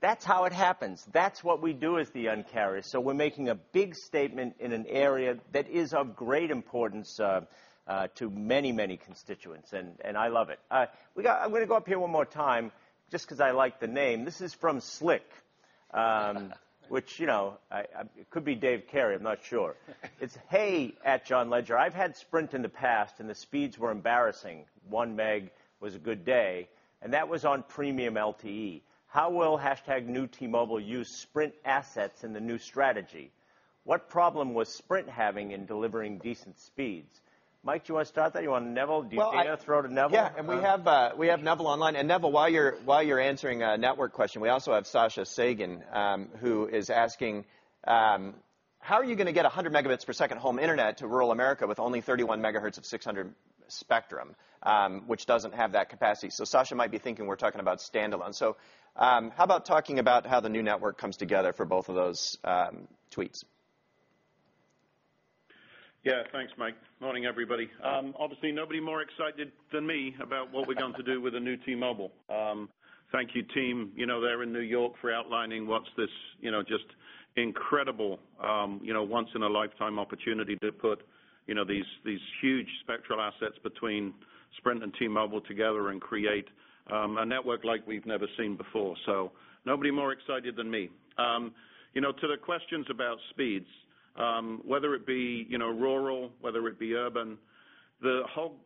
A: That's how it happens. That's what we do as the Un-carrier. We're making a big statement in an area that is of great importance to many, many constituents, and I love it. I'm going to go up here one more time just because I like the name. This is from Slick. Which, could be Dave Kerry, I'm not sure. It's, "Hey, @John Legere. I've had Sprint in the past, and the speeds were embarrassing. One meg was a good day, and that was on premium LTE. How will #NewT-Mobile use Sprint assets in the new strategy? What problem was Sprint having in delivering decent speeds?" Mike, do you want to start that? You want Neville? Do you-
C: Well.
A: throw to Neville?
C: We have Neville online. Neville, while you're answering a network question, we also have Sascha Segan, who is asking, "How are you going to get 100 Mbps home internet to rural America with only 31 MHz of 600 spectrum, which doesn't have that capacity?" Sascha might be thinking we're talking about standalone. How about talking about how the new network comes together for both of those tweets?
E: Thanks, Mike. Morning, everybody. Obviously, nobody more excited than me about we're going to do with the new T-Mobile. Thank you, team there in New York for outlining what's this just incredible once in a lifetime opportunity to put these huge spectral assets between Sprint and T-Mobile together and create a network like we've never seen before. Nobody more excited than me. To the questions about speeds, whether it be rural, whether it be urban, the whole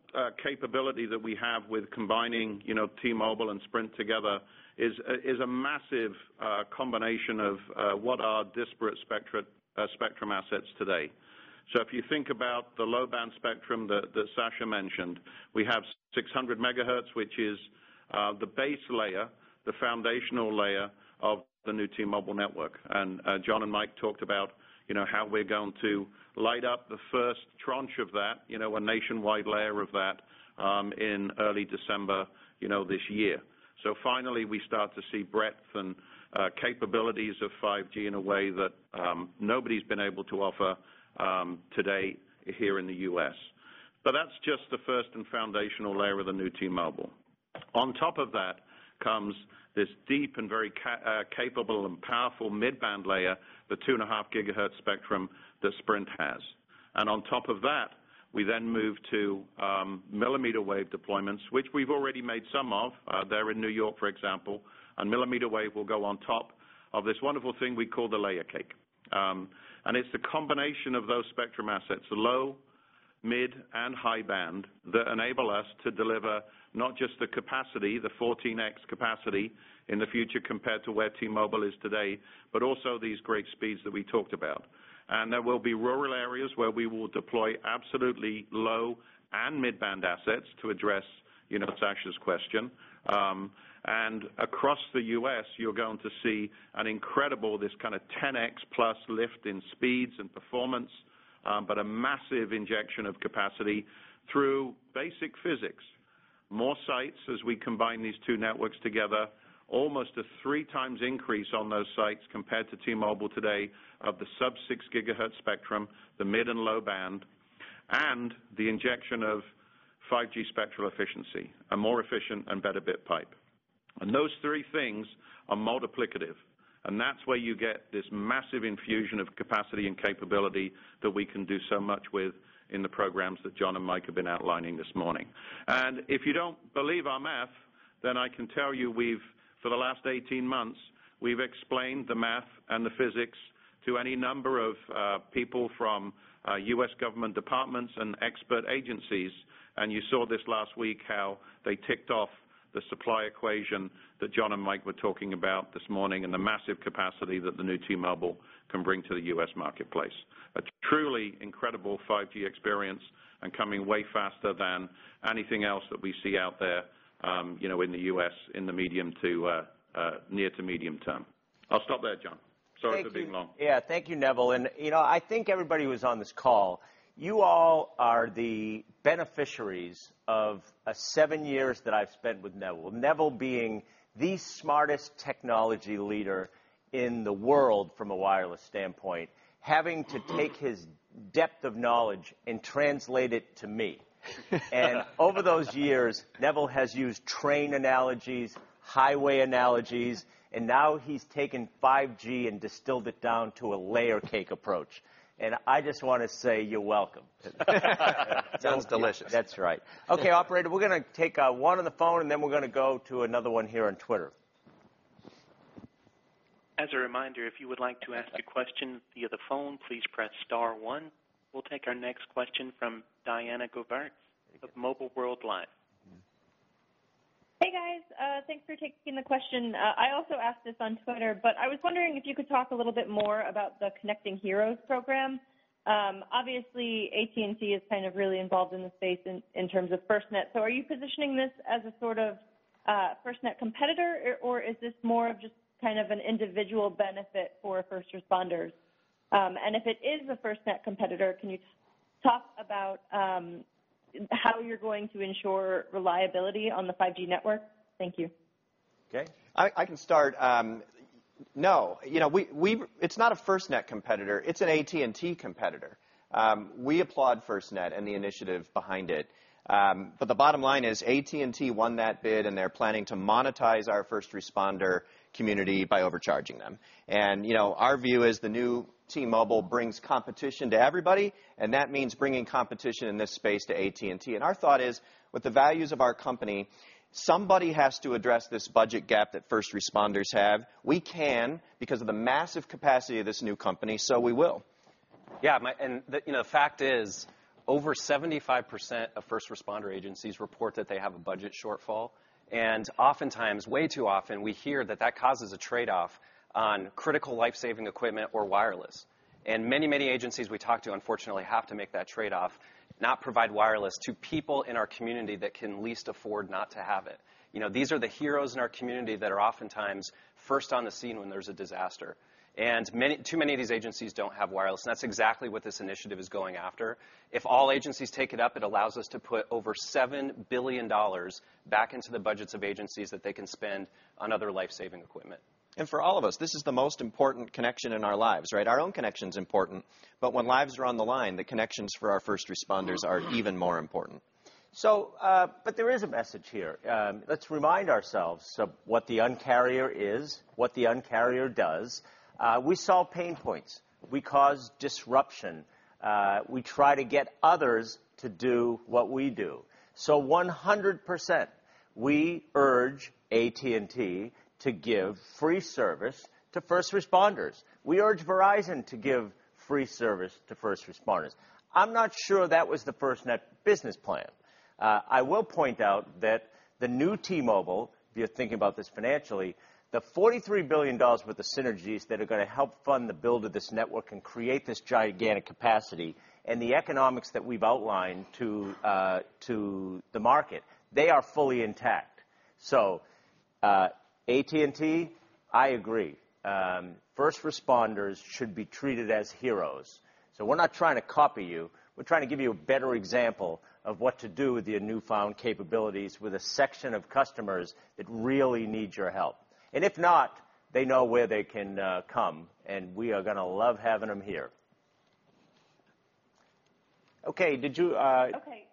E: capability that we have with combining T-Mobile and Sprint together is a massive combination of what are disparate spectrum assets today. If you think about the low-band spectrum that Sascha mentioned, we have 600 MHz, which is the base layer, the foundational layer of the new T-Mobile network. John and Mike talked about how we're going to light up the first tranche of that, a nationwide layer of that, in early December this year. Finally, we start to see breadth and capabilities of 5G in a way that nobody's been able to offer today here in the U.S. That's just the first and foundational layer of the new T-Mobile. On top of that comes this deep and very capable and powerful mid-band layer, the 2.5 GHz spectrum that Sprint has. On top of that, we then move to millimeter wave deployments, which we've already made some of there in New York, for example. Millimeter wave will go on top of this wonderful thing we call the layer cake. It's the combination of those spectrum assets, the low-band, mid-band, and high-band, that enable us to deliver not just the capacity, the 14x capacity in the future compared to where T-Mobile is today, but also these great speeds that we talked about. There will be rural areas where we will deploy absolutely low-band and mid-band assets to address Sascha's question. Across the U.S., you're going to see an incredible this kind of 10x+ lift in speeds and performance, but a massive injection of capacity through basic physics. More sites as we combine these two networks together. Almost a three times increase on those sites compared to T-Mobile today of the sub-6 GHz spectrum, the mid-band and low-band, and the injection of 5G spectral efficiency, a more efficient and better bit pipe. Those three things are multiplicative, and that's where you get this massive infusion of capacity and capability that we can do so much with in the programs that John and Mike have been outlining this morning. If you don't believe our math, I can tell you, for the last 18 months, we've explained the math and the physics to any number of people from U.S. government departments and expert agencies. You saw this last week, how they ticked off the supply equation that John and Mike were talking about this morning, and the massive capacity that the new T-Mobile can bring to the U.S. marketplace. It is a truly incredible 5G experience, and coming way faster than anything else that we see out there in the U.S. in the near to medium term. I'll stop there, John. Sorry for being long.
A: Thank you. Yeah. Thank you, Neville. I think everybody who is on this call, you all are the beneficiaries of seven years that I've spent with Neville. Neville being the smartest technology leader in the world from a wireless standpoint, having to take his depth of knowledge and translate it to me. Over those years, Neville has used train analogies, highway analogies, now he's taken 5G and distilled it down to a layer cake approach. I just want to say, you're welcome.
C: Sounds delicious.
A: That's right. Okay, operator, we're going to take one on the phone and then we're going to go to another one here on Twitter.
F: As a reminder, if you would like to ask a question via the phone, please press star one. We'll take our next question from Diana Goovaerts of Mobile World Live.
N: Hey, guys. Thanks for taking the question. I also asked this on Twitter. I was wondering if you could talk a little bit more about the Connecting Heroes program. Obviously, AT&T is kind of really involved in the space in terms of FirstNet. Are you positioning this as a sort of FirstNet competitor, or is this more of just kind of an individual benefit for first responders? If it is a FirstNet competitor, can you talk about how you're going to ensure reliability on the 5G network? Thank you.
C: Okay. I can start. No, it's not a FirstNet competitor. It's an AT&T competitor. We applaud FirstNet and the initiative behind it. The bottom line is AT&T won that bid, and they're planning to monetize our first responder community by overcharging them. Our view is the new T-Mobile brings competition to everybody, and that means bringing competition in this space to AT&T. Our thought is, with the values of our company, somebody has to address this budget gap that first responders have. We can because of the massive capacity of this new company, so we will.
O: Yeah. The fact is, over 75% of first responder agencies report that they have a budget shortfall. Oftentimes, way too often, we hear that that causes a trade-off on critical life-saving equipment or wireless. Many, many agencies we talk to unfortunately have to make that trade-off, not provide wireless to people in our community that can least afford not to have it. These are the heroes in our community that are oftentimes first on the scene when there's a disaster. Too many of these agencies don't have wireless. That's exactly what Connecting Heroes is going after. If all agencies take it up, it allows us to put over $7 billion back into the budgets of agencies that they can spend on other life-saving equipment.
C: For all of us, this is the most important connection in our lives, right? Our own connection's important, but when lives are on the line, the connections for our first responders are even more important.
A: There is a message here. Let's remind ourselves of what the Un-carrier is, what the Un-carrier does. We solve pain points. We cause disruption. We try to get others to do what we do. 100% we urge AT&T to give free service to first responders. We urge Verizon to give free service to first responders. I'm not sure that was the FirstNet business plan. I will point out that the new T-Mobile, if you're thinking about this financially, the $43 billion worth of synergies that are going to help fund the build of this network and create this gigantic capacity, and the economics that we've outlined to the market, they are fully intact. AT&T, I agree. First responders should be treated as heroes. We're not trying to copy you. We're trying to give you a better example of what to do with your newfound capabilities with a section of customers that really need your help. If not, they know where they can come, and we are going to love having them here. Okay, did you?
N: Okay.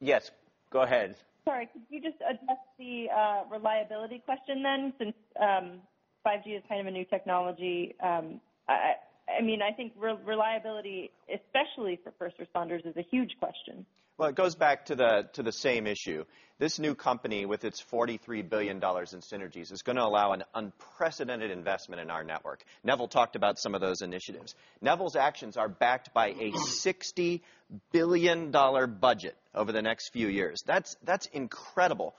A: Yes. Go ahead.
N: Sorry. Could you just address the reliability question then, since 5G is kind of a new technology? I think reliability, especially for first responders, is a huge question.
C: Well, it goes back to the same issue. This new company, with its $43 billion in synergies, is going to allow an unprecedented investment in our network. Neville talked about some of those initiatives. Neville's actions are backed by a $60 billion budget over the next few years. That's incredible.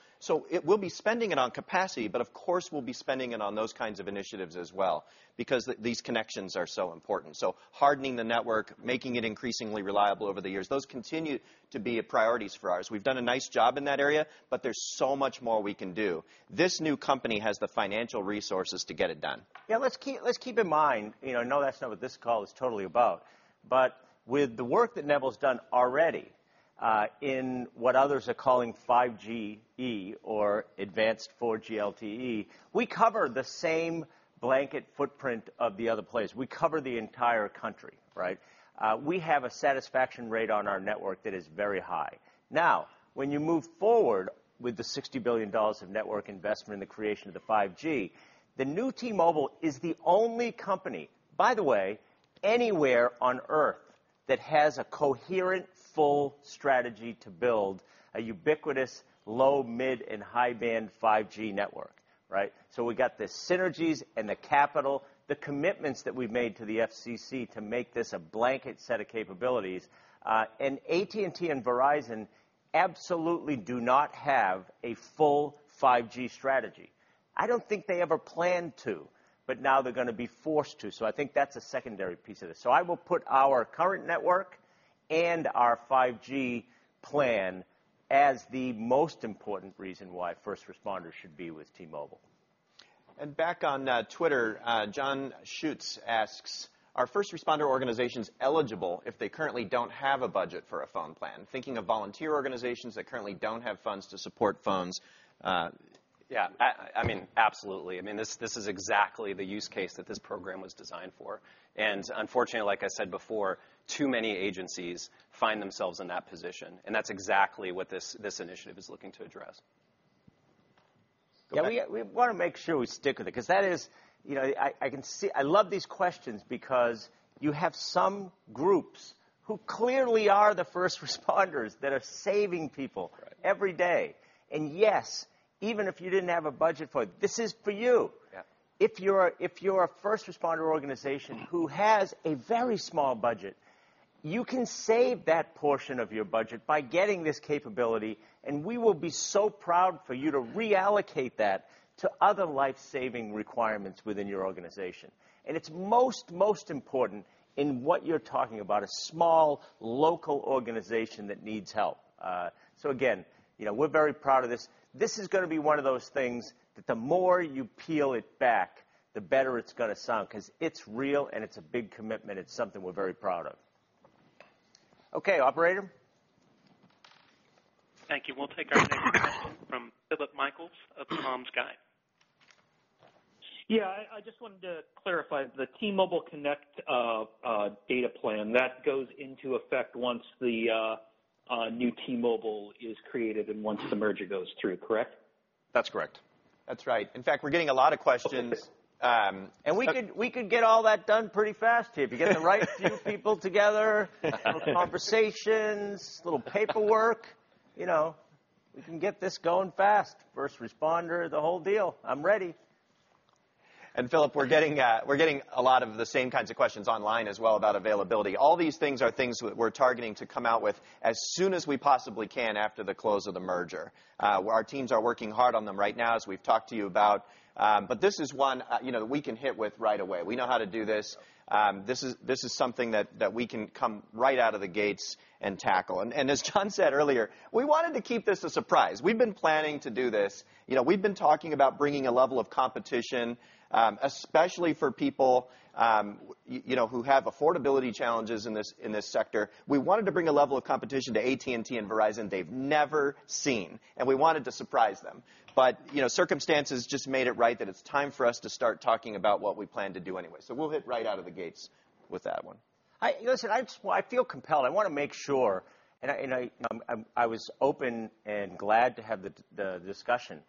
C: We'll be spending it on capacity, but of course, we'll be spending it on those kinds of initiatives as well because these connections are so important. Hardening the network, making it increasingly reliable over the years, those continue to be priorities for us. We've done a nice job in that area, but there's so much more we can do. This new company has the financial resources to get it done.
A: Yeah, let's keep in mind, I know that's not what this call is totally about, but with the work that Neville's done already in what others are calling 5G E or advanced 4G LTE, we cover the same blanket footprint of the other players. We cover the entire country, right? We have a satisfaction rate on our network that is very high. When you move forward with the $60 billion of network investment and the creation of the 5G, the new T-Mobile is the only company, by the way, anywhere on Earth, that has a coherent, full strategy to build a ubiquitous low, mid, and high-band 5G network. Right? We got the synergies and the capital, the commitments that we've made to the FCC to make this a blanket set of capabilities. AT&T and Verizon absolutely do not have a full 5G strategy. I don't think they ever planned to, but now they're going to be forced to, so I think that's a secondary piece of this. I will put our current network and our 5G plan as the most important reason why first responders should be with T-Mobile.
O: Back on Twitter, John Schutz asks, "Are first responder organizations eligible if they currently don't have a budget for a phone plan? Thinking of volunteer organizations that currently don't have funds to support phones." Yeah. Absolutely. This is exactly the use case that this Program was designed for. Unfortunately, like I said before, too many agencies find themselves in that position, and that's exactly what this Initiative is looking to address.
A: Yeah, we want to make sure we stick with it, because I love these questions because you have some groups who clearly are the first responders that are saving people every day.
O: Right.
A: Yes, even if you didn't have a budget for it, this is for you.
O: Yeah.
A: If you're a first responder organization who has a very small budget, you can save that portion of your budget by getting this capability. We will be so proud for you to reallocate that to other life-saving requirements within your organization. It's most important in what you're talking about, a small, local organization that needs help. Again, we're very proud of this. This is going to be one of those things that the more you peel it back, the better it's going to sound because it's real and it's a big commitment. It's something we're very proud of. Okay, operator.
F: Thank you. We'll take our next question from Philip Michaels of Tom's Guide.
P: Yeah. I just wanted to clarify, the T-Mobile Connect data plan, that goes into effect once the new T-Mobile is created and once the merger goes through, correct?
C: That's correct.
A: That's right. In fact, we're getting a lot of questions. We could get all that done pretty fast here. If you get the right few people together, have conversations, little paperwork, we can get this going fast. First responder, the whole deal. I'm ready.
C: Philip, we're getting a lot of the same kinds of questions online as well about availability. All these things are things we're targeting to come out with as soon as we possibly can after the close of the merger. Our teams are working hard on them right now, as we've talked to you about. This is one we can hit with right away. We know how to do this. This is something that we can come right out of the gates and tackle. As John said earlier, we wanted to keep this a surprise. We've been planning to do this. We've been talking about bringing a level of competition, especially for people who have affordability challenges in this sector. We wanted to bring a level of competition to AT&T and Verizon they've never seen, and we wanted to surprise them. Circumstances just made it right that it's time for us to start talking about what we plan to do anyway. We'll hit right out of the gates with that one.
A: Listen, I feel compelled. I want to make sure, and I was open and glad to have the discussion.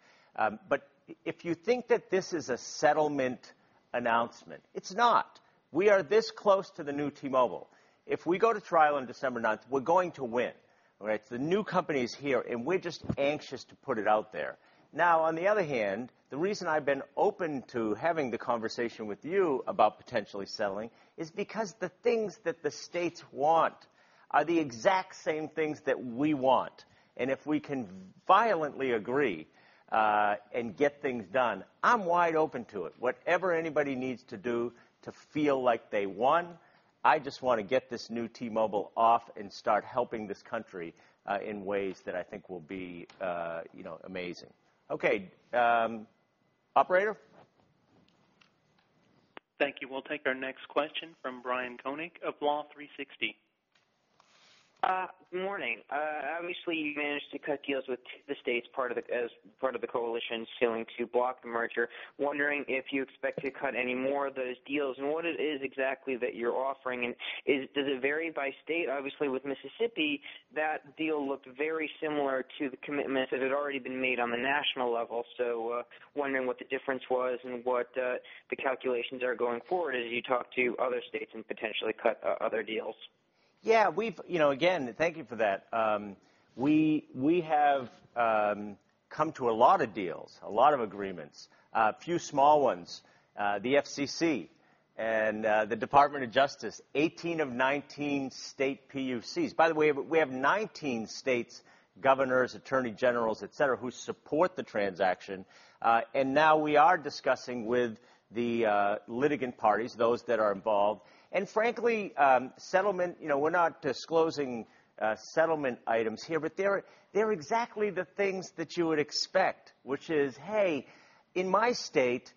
A: If you think that this is a settlement announcement, it's not. We are this close to the new T-Mobile. If we go to trial on December 9th, we're going to win. The new company is here, and we're just anxious to put it out there. On the other hand, the reason I've been open to having the conversation with you about potentially settling is because the things that the states want are the exact same things that we want. If we can violently agree and get things done, I'm wide open to it. Whatever anybody needs to do to feel like they won, I just want to get this new T-Mobile off and start helping this country in ways that I think will be amazing. Okay. Operator?
F: Thank you. We'll take our next question from Bryan Koenig of Law360.
Q: Morning. Obviously, you managed to cut deals with the states as part of the coalition suing to block the merger. Wondering if you expect to cut any more of those deals, and what it is exactly that you're offering, and does it vary by state? Obviously, with Mississippi, that deal looked very similar to the commitment that had already been made on the national level. Wondering what the difference was and what the calculations are going forward as you talk to other states and potentially cut other deals.
A: Yeah. Again, thank you for that. We have come to a lot of deals, a lot of agreements. A few small ones the FCC and the Department of Justice, 18 of 19 state PUCs. By the way, we have 19 states, governors, attorney generals, et cetera, who support the transaction. Now we are discussing with the litigant parties, those that are involved. Frankly, we're not disclosing settlement items here, but they're exactly the things that you would expect, which is, hey, in my state,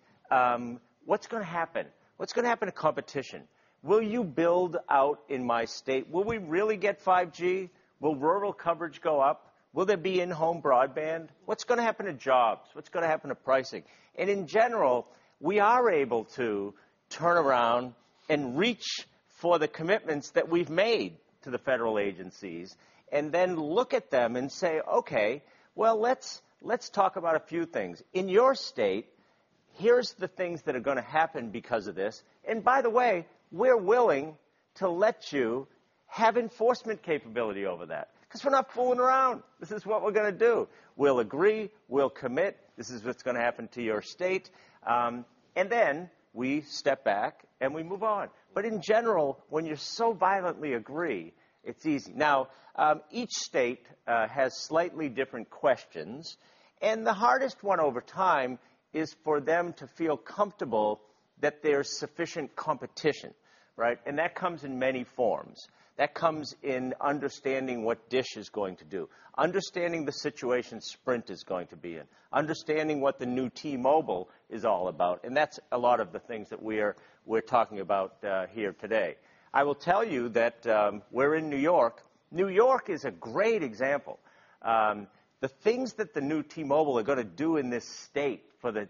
A: what's going to happen? What's going to happen to competition? Will you build out in my state? Will we really get 5G? Will rural coverage go up? Will there be in-home broadband? What's going to happen to jobs? What's going to happen to pricing? In general, we are able to turn around and reach for the commitments that we've made to the federal agencies and then look at them and say, "Okay, well, let's talk about a few things. In your state, here's the things that are going to happen because of this. By the way, we're willing to let you have enforcement capability over that." We're not fooling around. This is what we're going to do. We'll agree, we'll commit. This is what's going to happen to your state. Then we step back, and we move on. In general, when you so violently agree, it's easy. Now, each state has slightly different questions, and the hardest one over time is for them to feel comfortable that there's sufficient competition. That comes in many forms. That comes in understanding what DISH is going to do, understanding the situation Sprint is going to be in, understanding what the new T-Mobile is all about. That's a lot of the things that we're talking about here today. I will tell you that we're in New York. New York is a great example. The things that the new T-Mobile are going to do in this state for the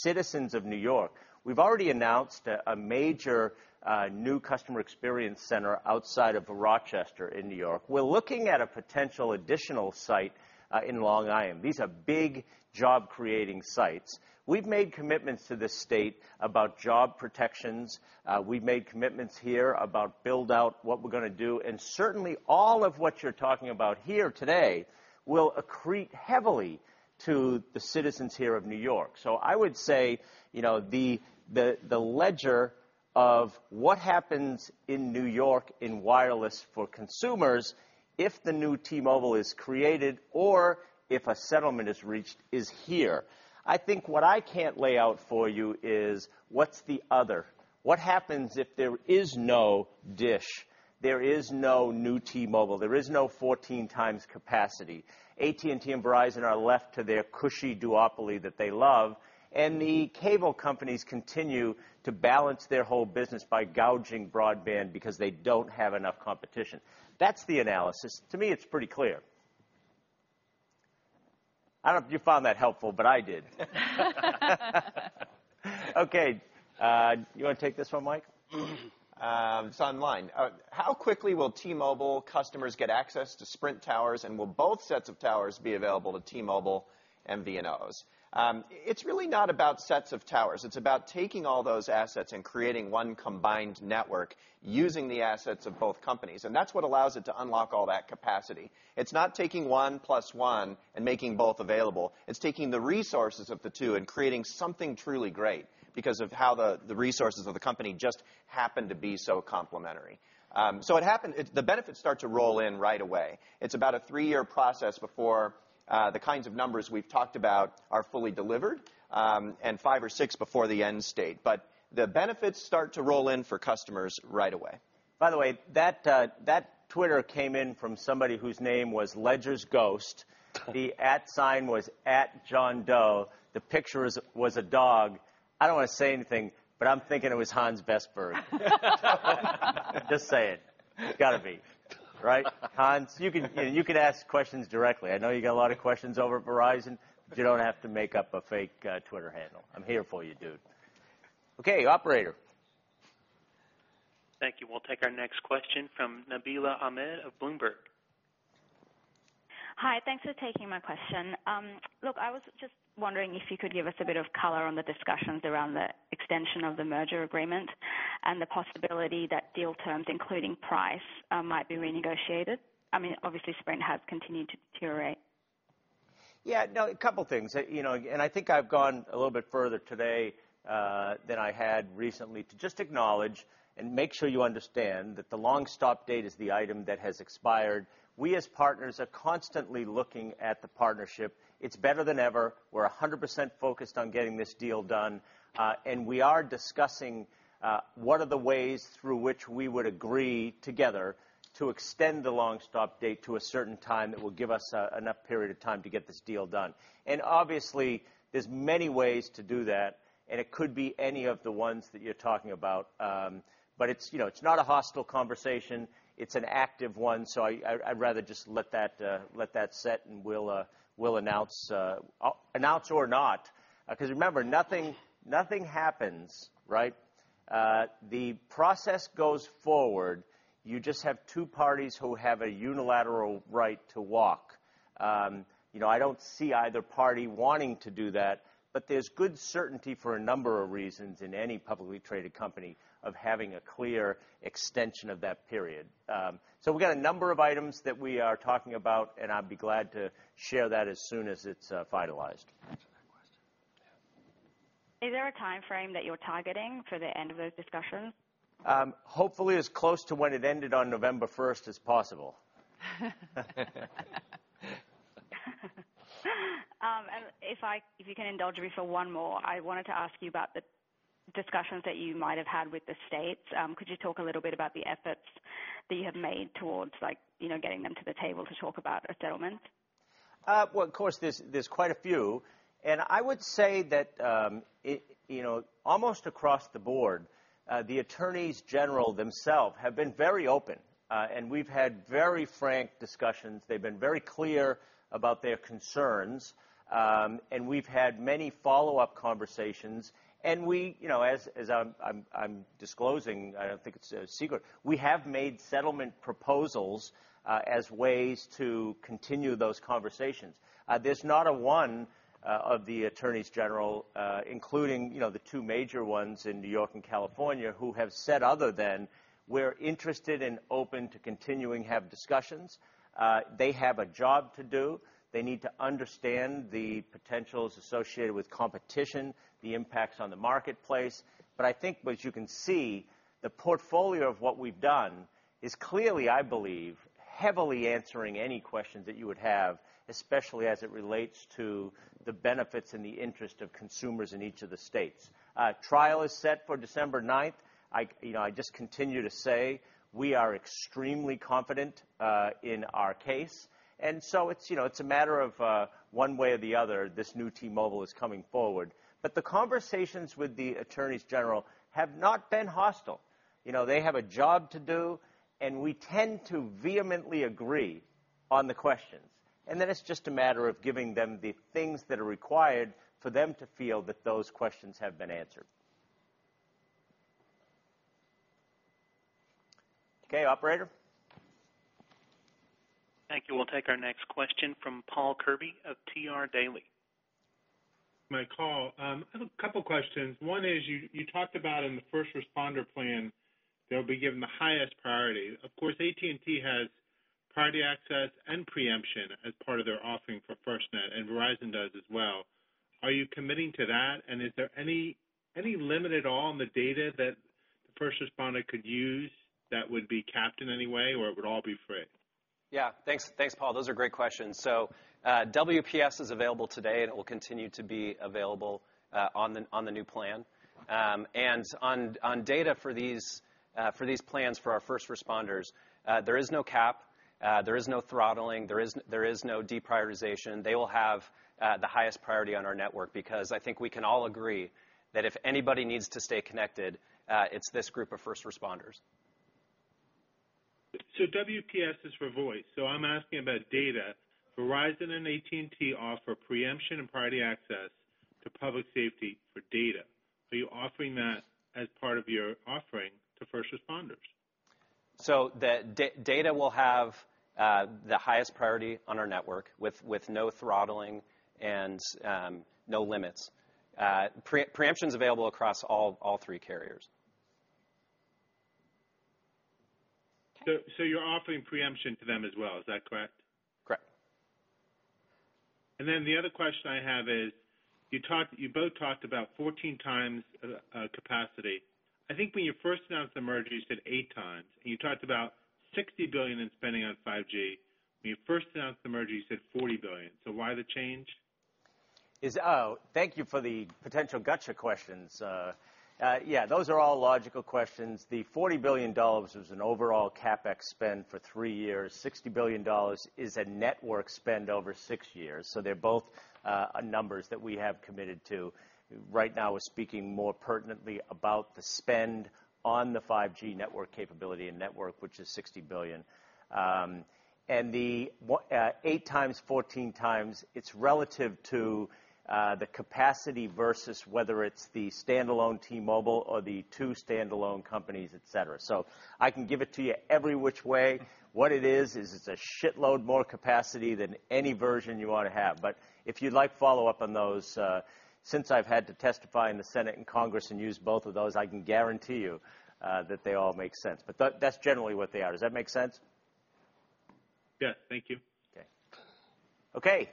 A: citizens of New York. We've already announced a major new customer experience center outside of Rochester in New York. We're looking at a potential additional site in Long Island. These are big job-creating sites. We've made commitments to this state about job protections. We've made commitments here about build-out, what we're going to do. Certainly all of what you're talking about here today will accrete heavily to the citizens here of New York. I would say the ledger of what happens in New York in wireless for consumers if the new T-Mobile is created or if a settlement is reached is here. I think what I can't lay out for you is what's the other. What happens if there is no DISH, there is no new T-Mobile, there is no 14 times capacity? AT&T and Verizon are left to their cushy duopoly that they love, and the cable companies continue to balance their whole business by gouging broadband because they don't have enough competition. That's the analysis. To me, it's pretty clear. I don't know if you found that helpful, but I did. Okay. You want to take this one, Mike? It's online. How quickly will T-Mobile customers get access to Sprint towers, and will both sets of towers be available to T-Mobile and MVNOs? It's really not about sets of towers. It's about taking all those assets and creating one combined network using the assets of both companies. That's what allows it to unlock all that capacity. It's not taking 1+1 and making both available. It's taking the resources of the two and creating something truly great because of how the resources of the company just happen to be so complementary. The benefits start to roll in right away. It's about a three-year process before the kinds of numbers we've talked about are fully delivered, and five or six before the end state. The benefits start to roll in for customers right away.
C: By the way, that Twitter came in from somebody whose name was Legere's Ghost. The at sign was @JohnDoe. The picture was a dog. I don't want to say anything. I'm thinking it was Hans Vestberg. Just saying. It's got to be, right Hans? You can ask questions directly. I know you got a lot of questions over at Verizon. You don't have to make up a fake Twitter handle. I'm here for you, dude.
A: Okay, operator.
F: Thank you. We'll take our next question from Nabila Ahmed of Bloomberg.
R: Hi. Thanks for taking my question. Look, I was just wondering if you could give us a bit of color on the discussions around the extension of the merger agreement and the possibility that deal terms, including price, might be renegotiated. Obviously, Sprint has continued to deteriorate.
A: Yeah. No, a couple things. I think I've gone a little bit further today than I had recently to just acknowledge and make sure you understand that the long stop date is the item that has expired. We, as partners, are constantly looking at the partnership. It's better than ever. We're 100% focused on getting this deal done. We are discussing what are the ways through which we would agree together to extend the long stop date to a certain time that will give us enough period of time to get this deal done. Obviously, there's many ways to do that, and it could be any of the ones that you're talking about. It's not a hostile conversation. It's an active one, so I'd rather just let that set and we'll announce or not. Remember, nothing happens, right? The process goes forward. You just have two parties who have a unilateral right to walk. I don't see either party wanting to do that, but there's good certainty for a number of reasons in any publicly traded company of having a clear extension of that period. We've got a number of items that we are talking about, and I'd be glad to share that as soon as it's finalized.
R: Is there a timeframe that you're targeting for the end of those discussions?
A: Hopefully as close to when it ended on November 1st as possible.
R: If you can indulge me for one more, I wanted to ask you about the discussions that you might have had with the states. Could you talk a little bit about the efforts that you have made towards getting them to the table to talk about a settlement?
A: Well, of course, there's quite a few. I would say that almost across the board, the attorneys general themselves have been very open, and we've had very frank discussions. They've been very clear about their concerns. We've had many follow-up conversations. As I'm disclosing, I don't think it's a secret, we have made settlement proposals as ways to continue those conversations. There's not a one of the attorneys general, including the two major ones in New York and California, who have said other than we're interested and open to continuing have discussions. They have a job to do. They need to understand the potentials associated with competition, the impacts on the marketplace. I think what you can see, the portfolio of what we've done is clearly, I believe, heavily answering any questions that you would have, especially as it relates to the benefits and the interest of consumers in each of the states. Trial is set for December 9th. I just continue to say we are extremely confident in our case. It's a matter of one way or the other, this new T-Mobile is coming forward. The conversations with the Attorneys General have not been hostile. They have a job to do, and we tend to vehemently agree on the questions. It's just a matter of giving them the things that are required for them to feel that those questions have been answered. Okay, operator.
F: Thank you. We'll take our next question from Paul Kirby of TR Daily.
S: Mike, Paul. I have a couple questions. One is you talked about in the first responder plan, they'll be given the highest priority. Of course, AT&T has priority access and preemption as part of their offering for FirstNet, and Verizon does as well. Are you committing to that? Is there any limit at all on the data that the first responder could use that would be capped in any way, or it would all be free?
O: Yeah. Thanks, Paul. Those are great questions. WPS is available today and it will continue to be available on the new plan. On data for these plans for our first responders, there is no cap. There is no throttling. There is no deprioritization. They will have the highest priority on our network because I think we can all agree that if anybody needs to stay connected, it's this group of first responders.
S: WPS is for voice. I'm asking about data. Verizon and AT&T offer preemption and priority access to public safety for data. Are you offering that as part of your offering to first responders?
C: The data will have the highest priority on our network with no throttling and no limits. Preemption's available across all three carriers.
S: You're offering preemption to them as well, is that correct?
C: Correct.
S: The other question I have is, you both talked about 14x capacity. I think when you first announced the merger, you said eight times, and you talked about $60 billion in spending on 5G. When you first announced the merger, you said $40 billion. Why the change?
A: Thank you for the potential gotcha questions. Yeah, those are all logical questions. The $40 billion was an overall CapEx spend for three years. $60 billion is a network spend over six years. They're both numbers that we have committed to. Right now, we're speaking more pertinently about the spend on the 5G network capability and network, which is $60 billion. The eight times, 14x, it's relative to the capacity versus whether it's the standalone T-Mobile or the two standalone companies, et cetera. I can give it to you every which way. What it is it's a shitload more capacity than any version you want to have. If you'd like follow-up on those, since I've had to testify in the Senate and Congress and use both of those, I can guarantee you that they all make sense. That's generally what they are. Does that make sense?
S: Yeah. Thank you.
A: Okay.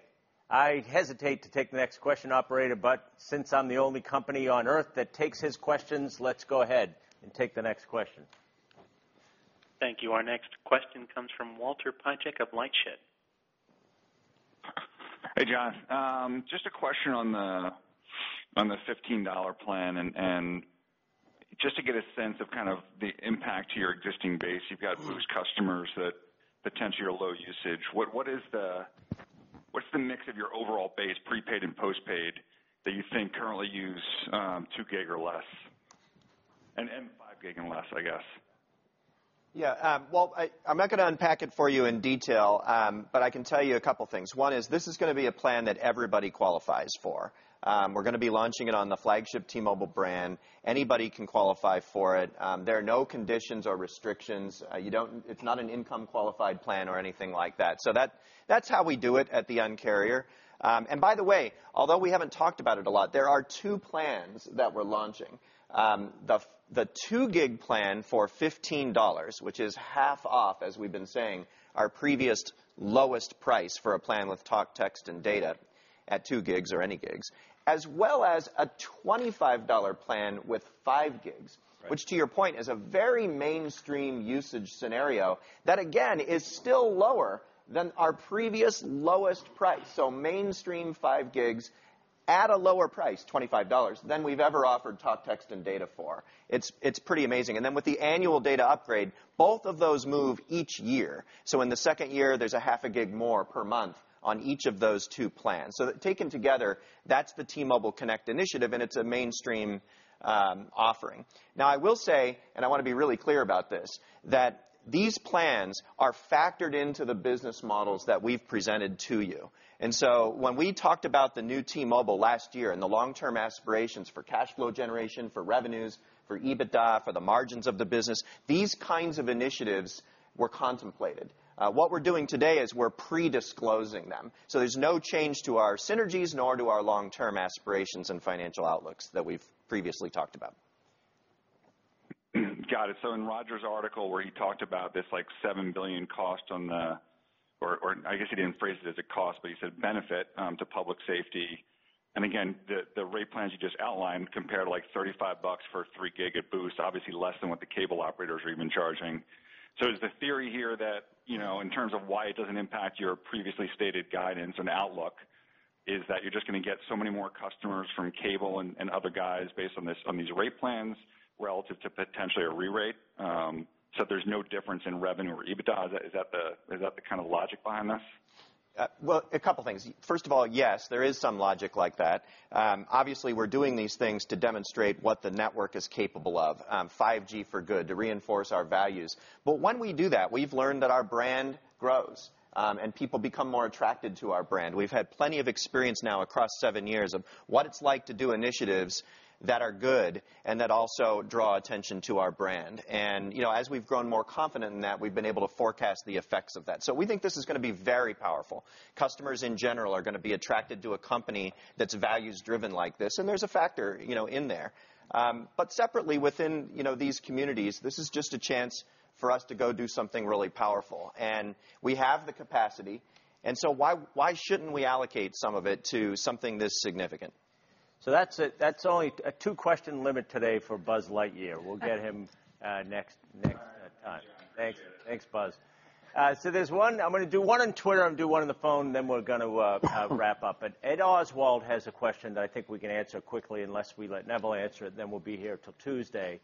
A: Since I'm the only company on Earth that takes his questions, let's go ahead and take the next question.
F: Thank you. Our next question comes from Walter Piecyk of LightShed.
T: Hey, John. Just a question on the $15 plan, just to get a sense of kind of the impact to your existing base. You've got Boost customers that potentially are low usage. What's the mix of your overall base, prepaid and postpaid, that you think currently use two gig or less? 5 gig and less, I guess.
C: Yeah. Well, I'm not going to unpack it for you in detail, but I can tell you a couple of things. One is this is going to be a plan that everybody qualifies for. We're going to be launching it on the flagship T-Mobile brand. Anybody can qualify for it. There are no conditions or restrictions. It's not an income-qualified plan or anything like that. That's how we do it at the Un-carrier. By the way, although we haven't talked about it a lot, there are two plans that we're launching. The 2 gig plan for $15, which is half off, as we've been saying, our previous lowest price for a plan with talk, text, and data at 2 gigs or any gigs. As well as a $25 plan with 5 gigs.
A: Right
C: Which to your point, is a very mainstream usage scenario that, again, is still lower than our previous lowest price. Mainstream 5 gigs at a lower price, $25, than we've ever offered talk, text, and data for. It's pretty amazing. With the Annual Data Upgrade, both of those move each year. In the second year, there's a half a gig more per month on each of those two plans. Taken together, that's the T-Mobile Connect initiative, and it's a mainstream offering. Now, I will say, and I want to be really clear about this, that these plans are factored into the business models that we've presented to you. When we talked about the new T-Mobile last year and the long-term aspirations for cash flow generation, for revenues, for EBITDA, for the margins of the business, these kinds of initiatives were contemplated. What we're doing today is we're pre-disclosing them. There's no change to our synergies, nor to our long-term aspirations and financial outlooks that we've previously talked about.
T: Got it. In Roger's article where he talked about this like $7 billion cost on the Or I guess he didn't phrase it as a cost, but he said benefit to public safety. Again, the rate plans you just outlined compare to like $35 for 3 GB at Boost, obviously less than what the cable operators are even charging. Is the theory here that in terms of why it doesn't impact your previously stated guidance and outlook is that you're just going to get so many more customers from cable and other guys based on these rate plans relative to potentially a re-rate? There's no difference in revenue or EBITDA. Is that the kind of logic behind this?
C: Well, a couple things. First of all, yes, there is some logic like that. Obviously, we're doing these things to demonstrate what the network is capable of, 5G for Good, to reinforce our values. When we do that, we've learned that our brand grows, and people become more attracted to our brand. We've had plenty of experience now across seven years of what it's like to do initiatives that are good and that also draw attention to our brand. As we've grown more confident in that, we've been able to forecast the effects of that. We think this is going to be very powerful. Customers in general are going to be attracted to a company that's values-driven like this, and there's a factor in there. Separately within these communities, this is just a chance for us to go do something really powerful. We have the capacity, and so why shouldn't we allocate some of it to something this significant?
A: That's only a two-question limit today for Buzz Lightyear. We'll get him next time.
T: All right. Appreciate it.
A: Thanks, Buzz. I'm going to do one on Twitter and do one on the phone, then we're going to wrap up. Ed Oswald has a question that I think we can answer quickly unless we let Neville answer it, then we'll be here till Tuesday.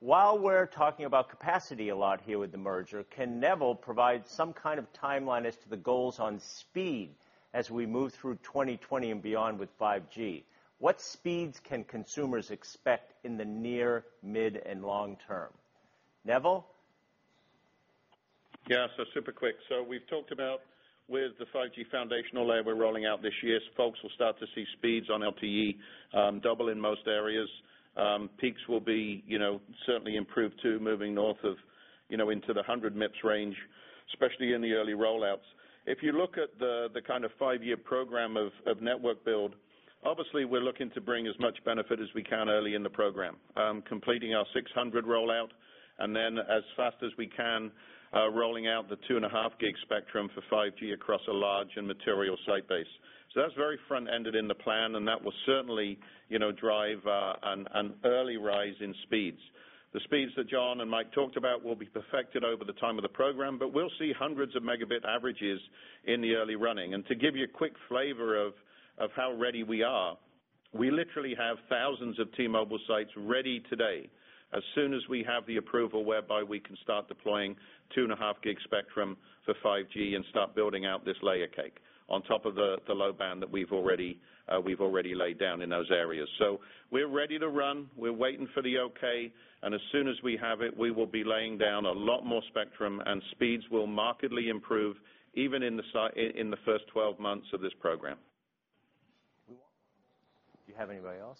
A: We're talking about capacity a lot here with the merger, can Neville provide some kind of timeline as to the goals on speed as we move through 2020 and beyond with 5G? What speeds can consumers expect in the near, mid, and long term? Neville?
E: Yeah, super quick. We've talked about with the 5G foundational layer we're rolling out this year, folks will start to see speeds on LTE double in most areas. Peaks will be certainly improved too, moving north of into the 100 Mbps range, especially in the early rollouts. If you look at the kind of five-year program of network build, obviously we're looking to bring as much benefit as we can early in the program. Completing our 600 rollout, and then as fast as we can, rolling out the 2.5 gig spectrum for 5G across a large and material site base. That's very front-ended in the plan, and that will certainly drive an early rise in speeds. The speeds that John and Mike talked about will be perfected over the time of the program, but we'll see hundreds of megabit averages in the early running. To give you a quick flavor of how ready we are, we literally have thousands of T-Mobile sites ready today as soon as we have the approval whereby we can start deploying two and a half gig spectrum for 5G and start building out this layer cake on top of the low-band that we've already laid down in those areas. We're ready to run. We're waiting for the okay. As soon as we have it, we will be laying down a lot more spectrum and speeds will markedly improve even in the first 12 months of this program.
A: Do you have anybody else?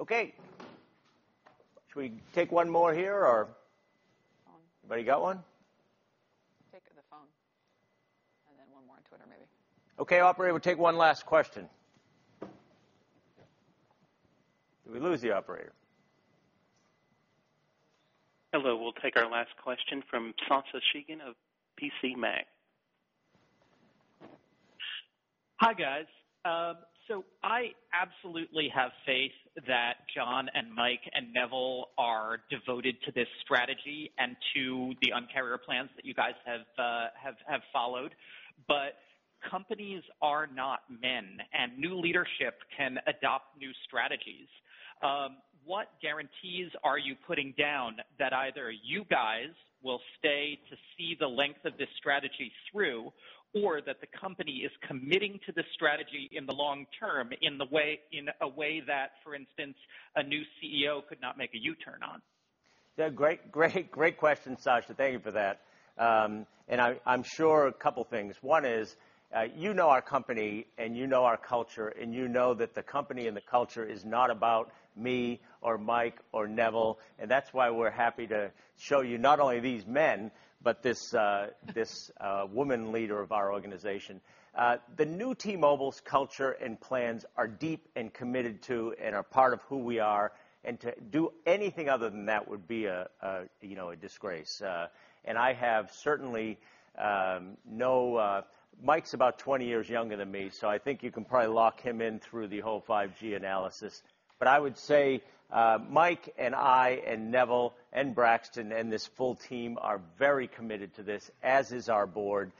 A: Okay. Should we take one more here or?
D: Phone.
A: Anybody got one?
D: Take the phone, and then one more on Twitter, maybe.
A: Okay, operator, we'll take one last question. Did we lose the operator?
F: Hello, we'll take our last question from Sascha Segan of PCMag.
U: Hi, guys. I absolutely have faith that John and Mike and Neville are devoted to this strategy and to the Un-carrier plans that you guys have followed. Companies are not men, and new leadership can adopt new strategies. What guarantees are you putting down that either you guys will stay to see the length of this strategy through, or that the company is committing to the strategy in the long term in a way that, for instance, a new CEO could not make a U-turn on?
A: Great question, Sascha. Thank you for that. I'm sure a couple things. One is, you know our company and you know our culture, and you know that the company and the culture is not about me or Mike or Neville, that's why we're happy to show you not only these men, but this woman leader of our organization. The new T-Mobile's culture and plans are deep and committed to, are part of who we are. To do anything other than that would be a disgrace. I have certainly know Mike's about 20 years younger than me, I think you can probably lock him in through the whole 5G analysis. I would say Mike and I, Neville, Braxton, this full team are very committed to this, as is our board.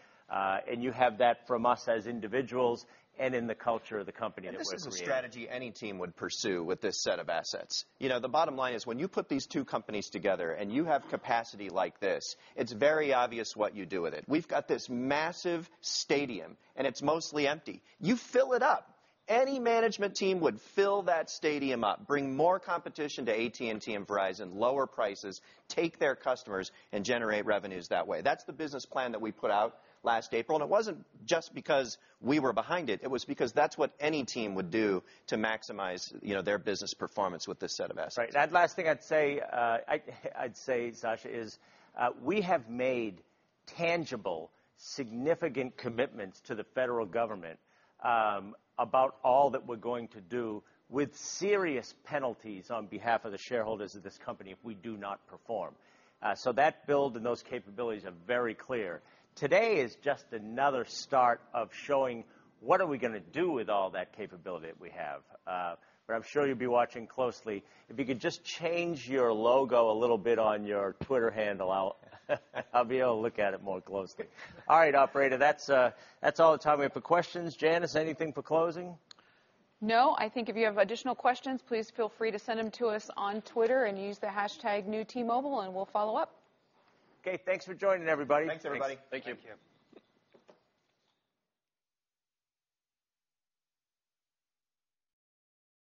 A: You have that from us as individuals and in the culture of the company that we're creating.
C: This is a strategy any team would pursue with this set of assets. The bottom line is when you put these two companies together and you have capacity like this, it's very obvious what you do with it. We've got this massive stadium and it's mostly empty. You fill it up. Any management team would fill that stadium up, bring more competition to AT&T and Verizon, lower prices, take their customers, and generate revenues that way. That's the business plan that we put out last April, and it wasn't just because we were behind it. It was because that's what any team would do to maximize their business performance with this set of assets.
A: Right. That last thing I'd say, Sascha, is we have made tangible, significant commitments to the federal government about all that we're going to do with serious penalties on behalf of the shareholders of this company if we do not perform. That build and those capabilities are very clear. Today is just another start of showing what are we going to do with all that capability that we have. I'm sure you'll be watching closely. If you could just change your logo a little bit on your Twitter handle I'll be able to look at it more closely. All right, operator, that's all the time we have for questions. Janice, anything for closing?
D: No, I think if you have additional questions, please feel free to send them to us on Twitter and use the hashtag #NewTMobile and we'll follow up.
A: Okay. Thanks for joining, everybody.
C: Thanks, everybody.
E: Thanks.
A: Thank you.
C: Thank you.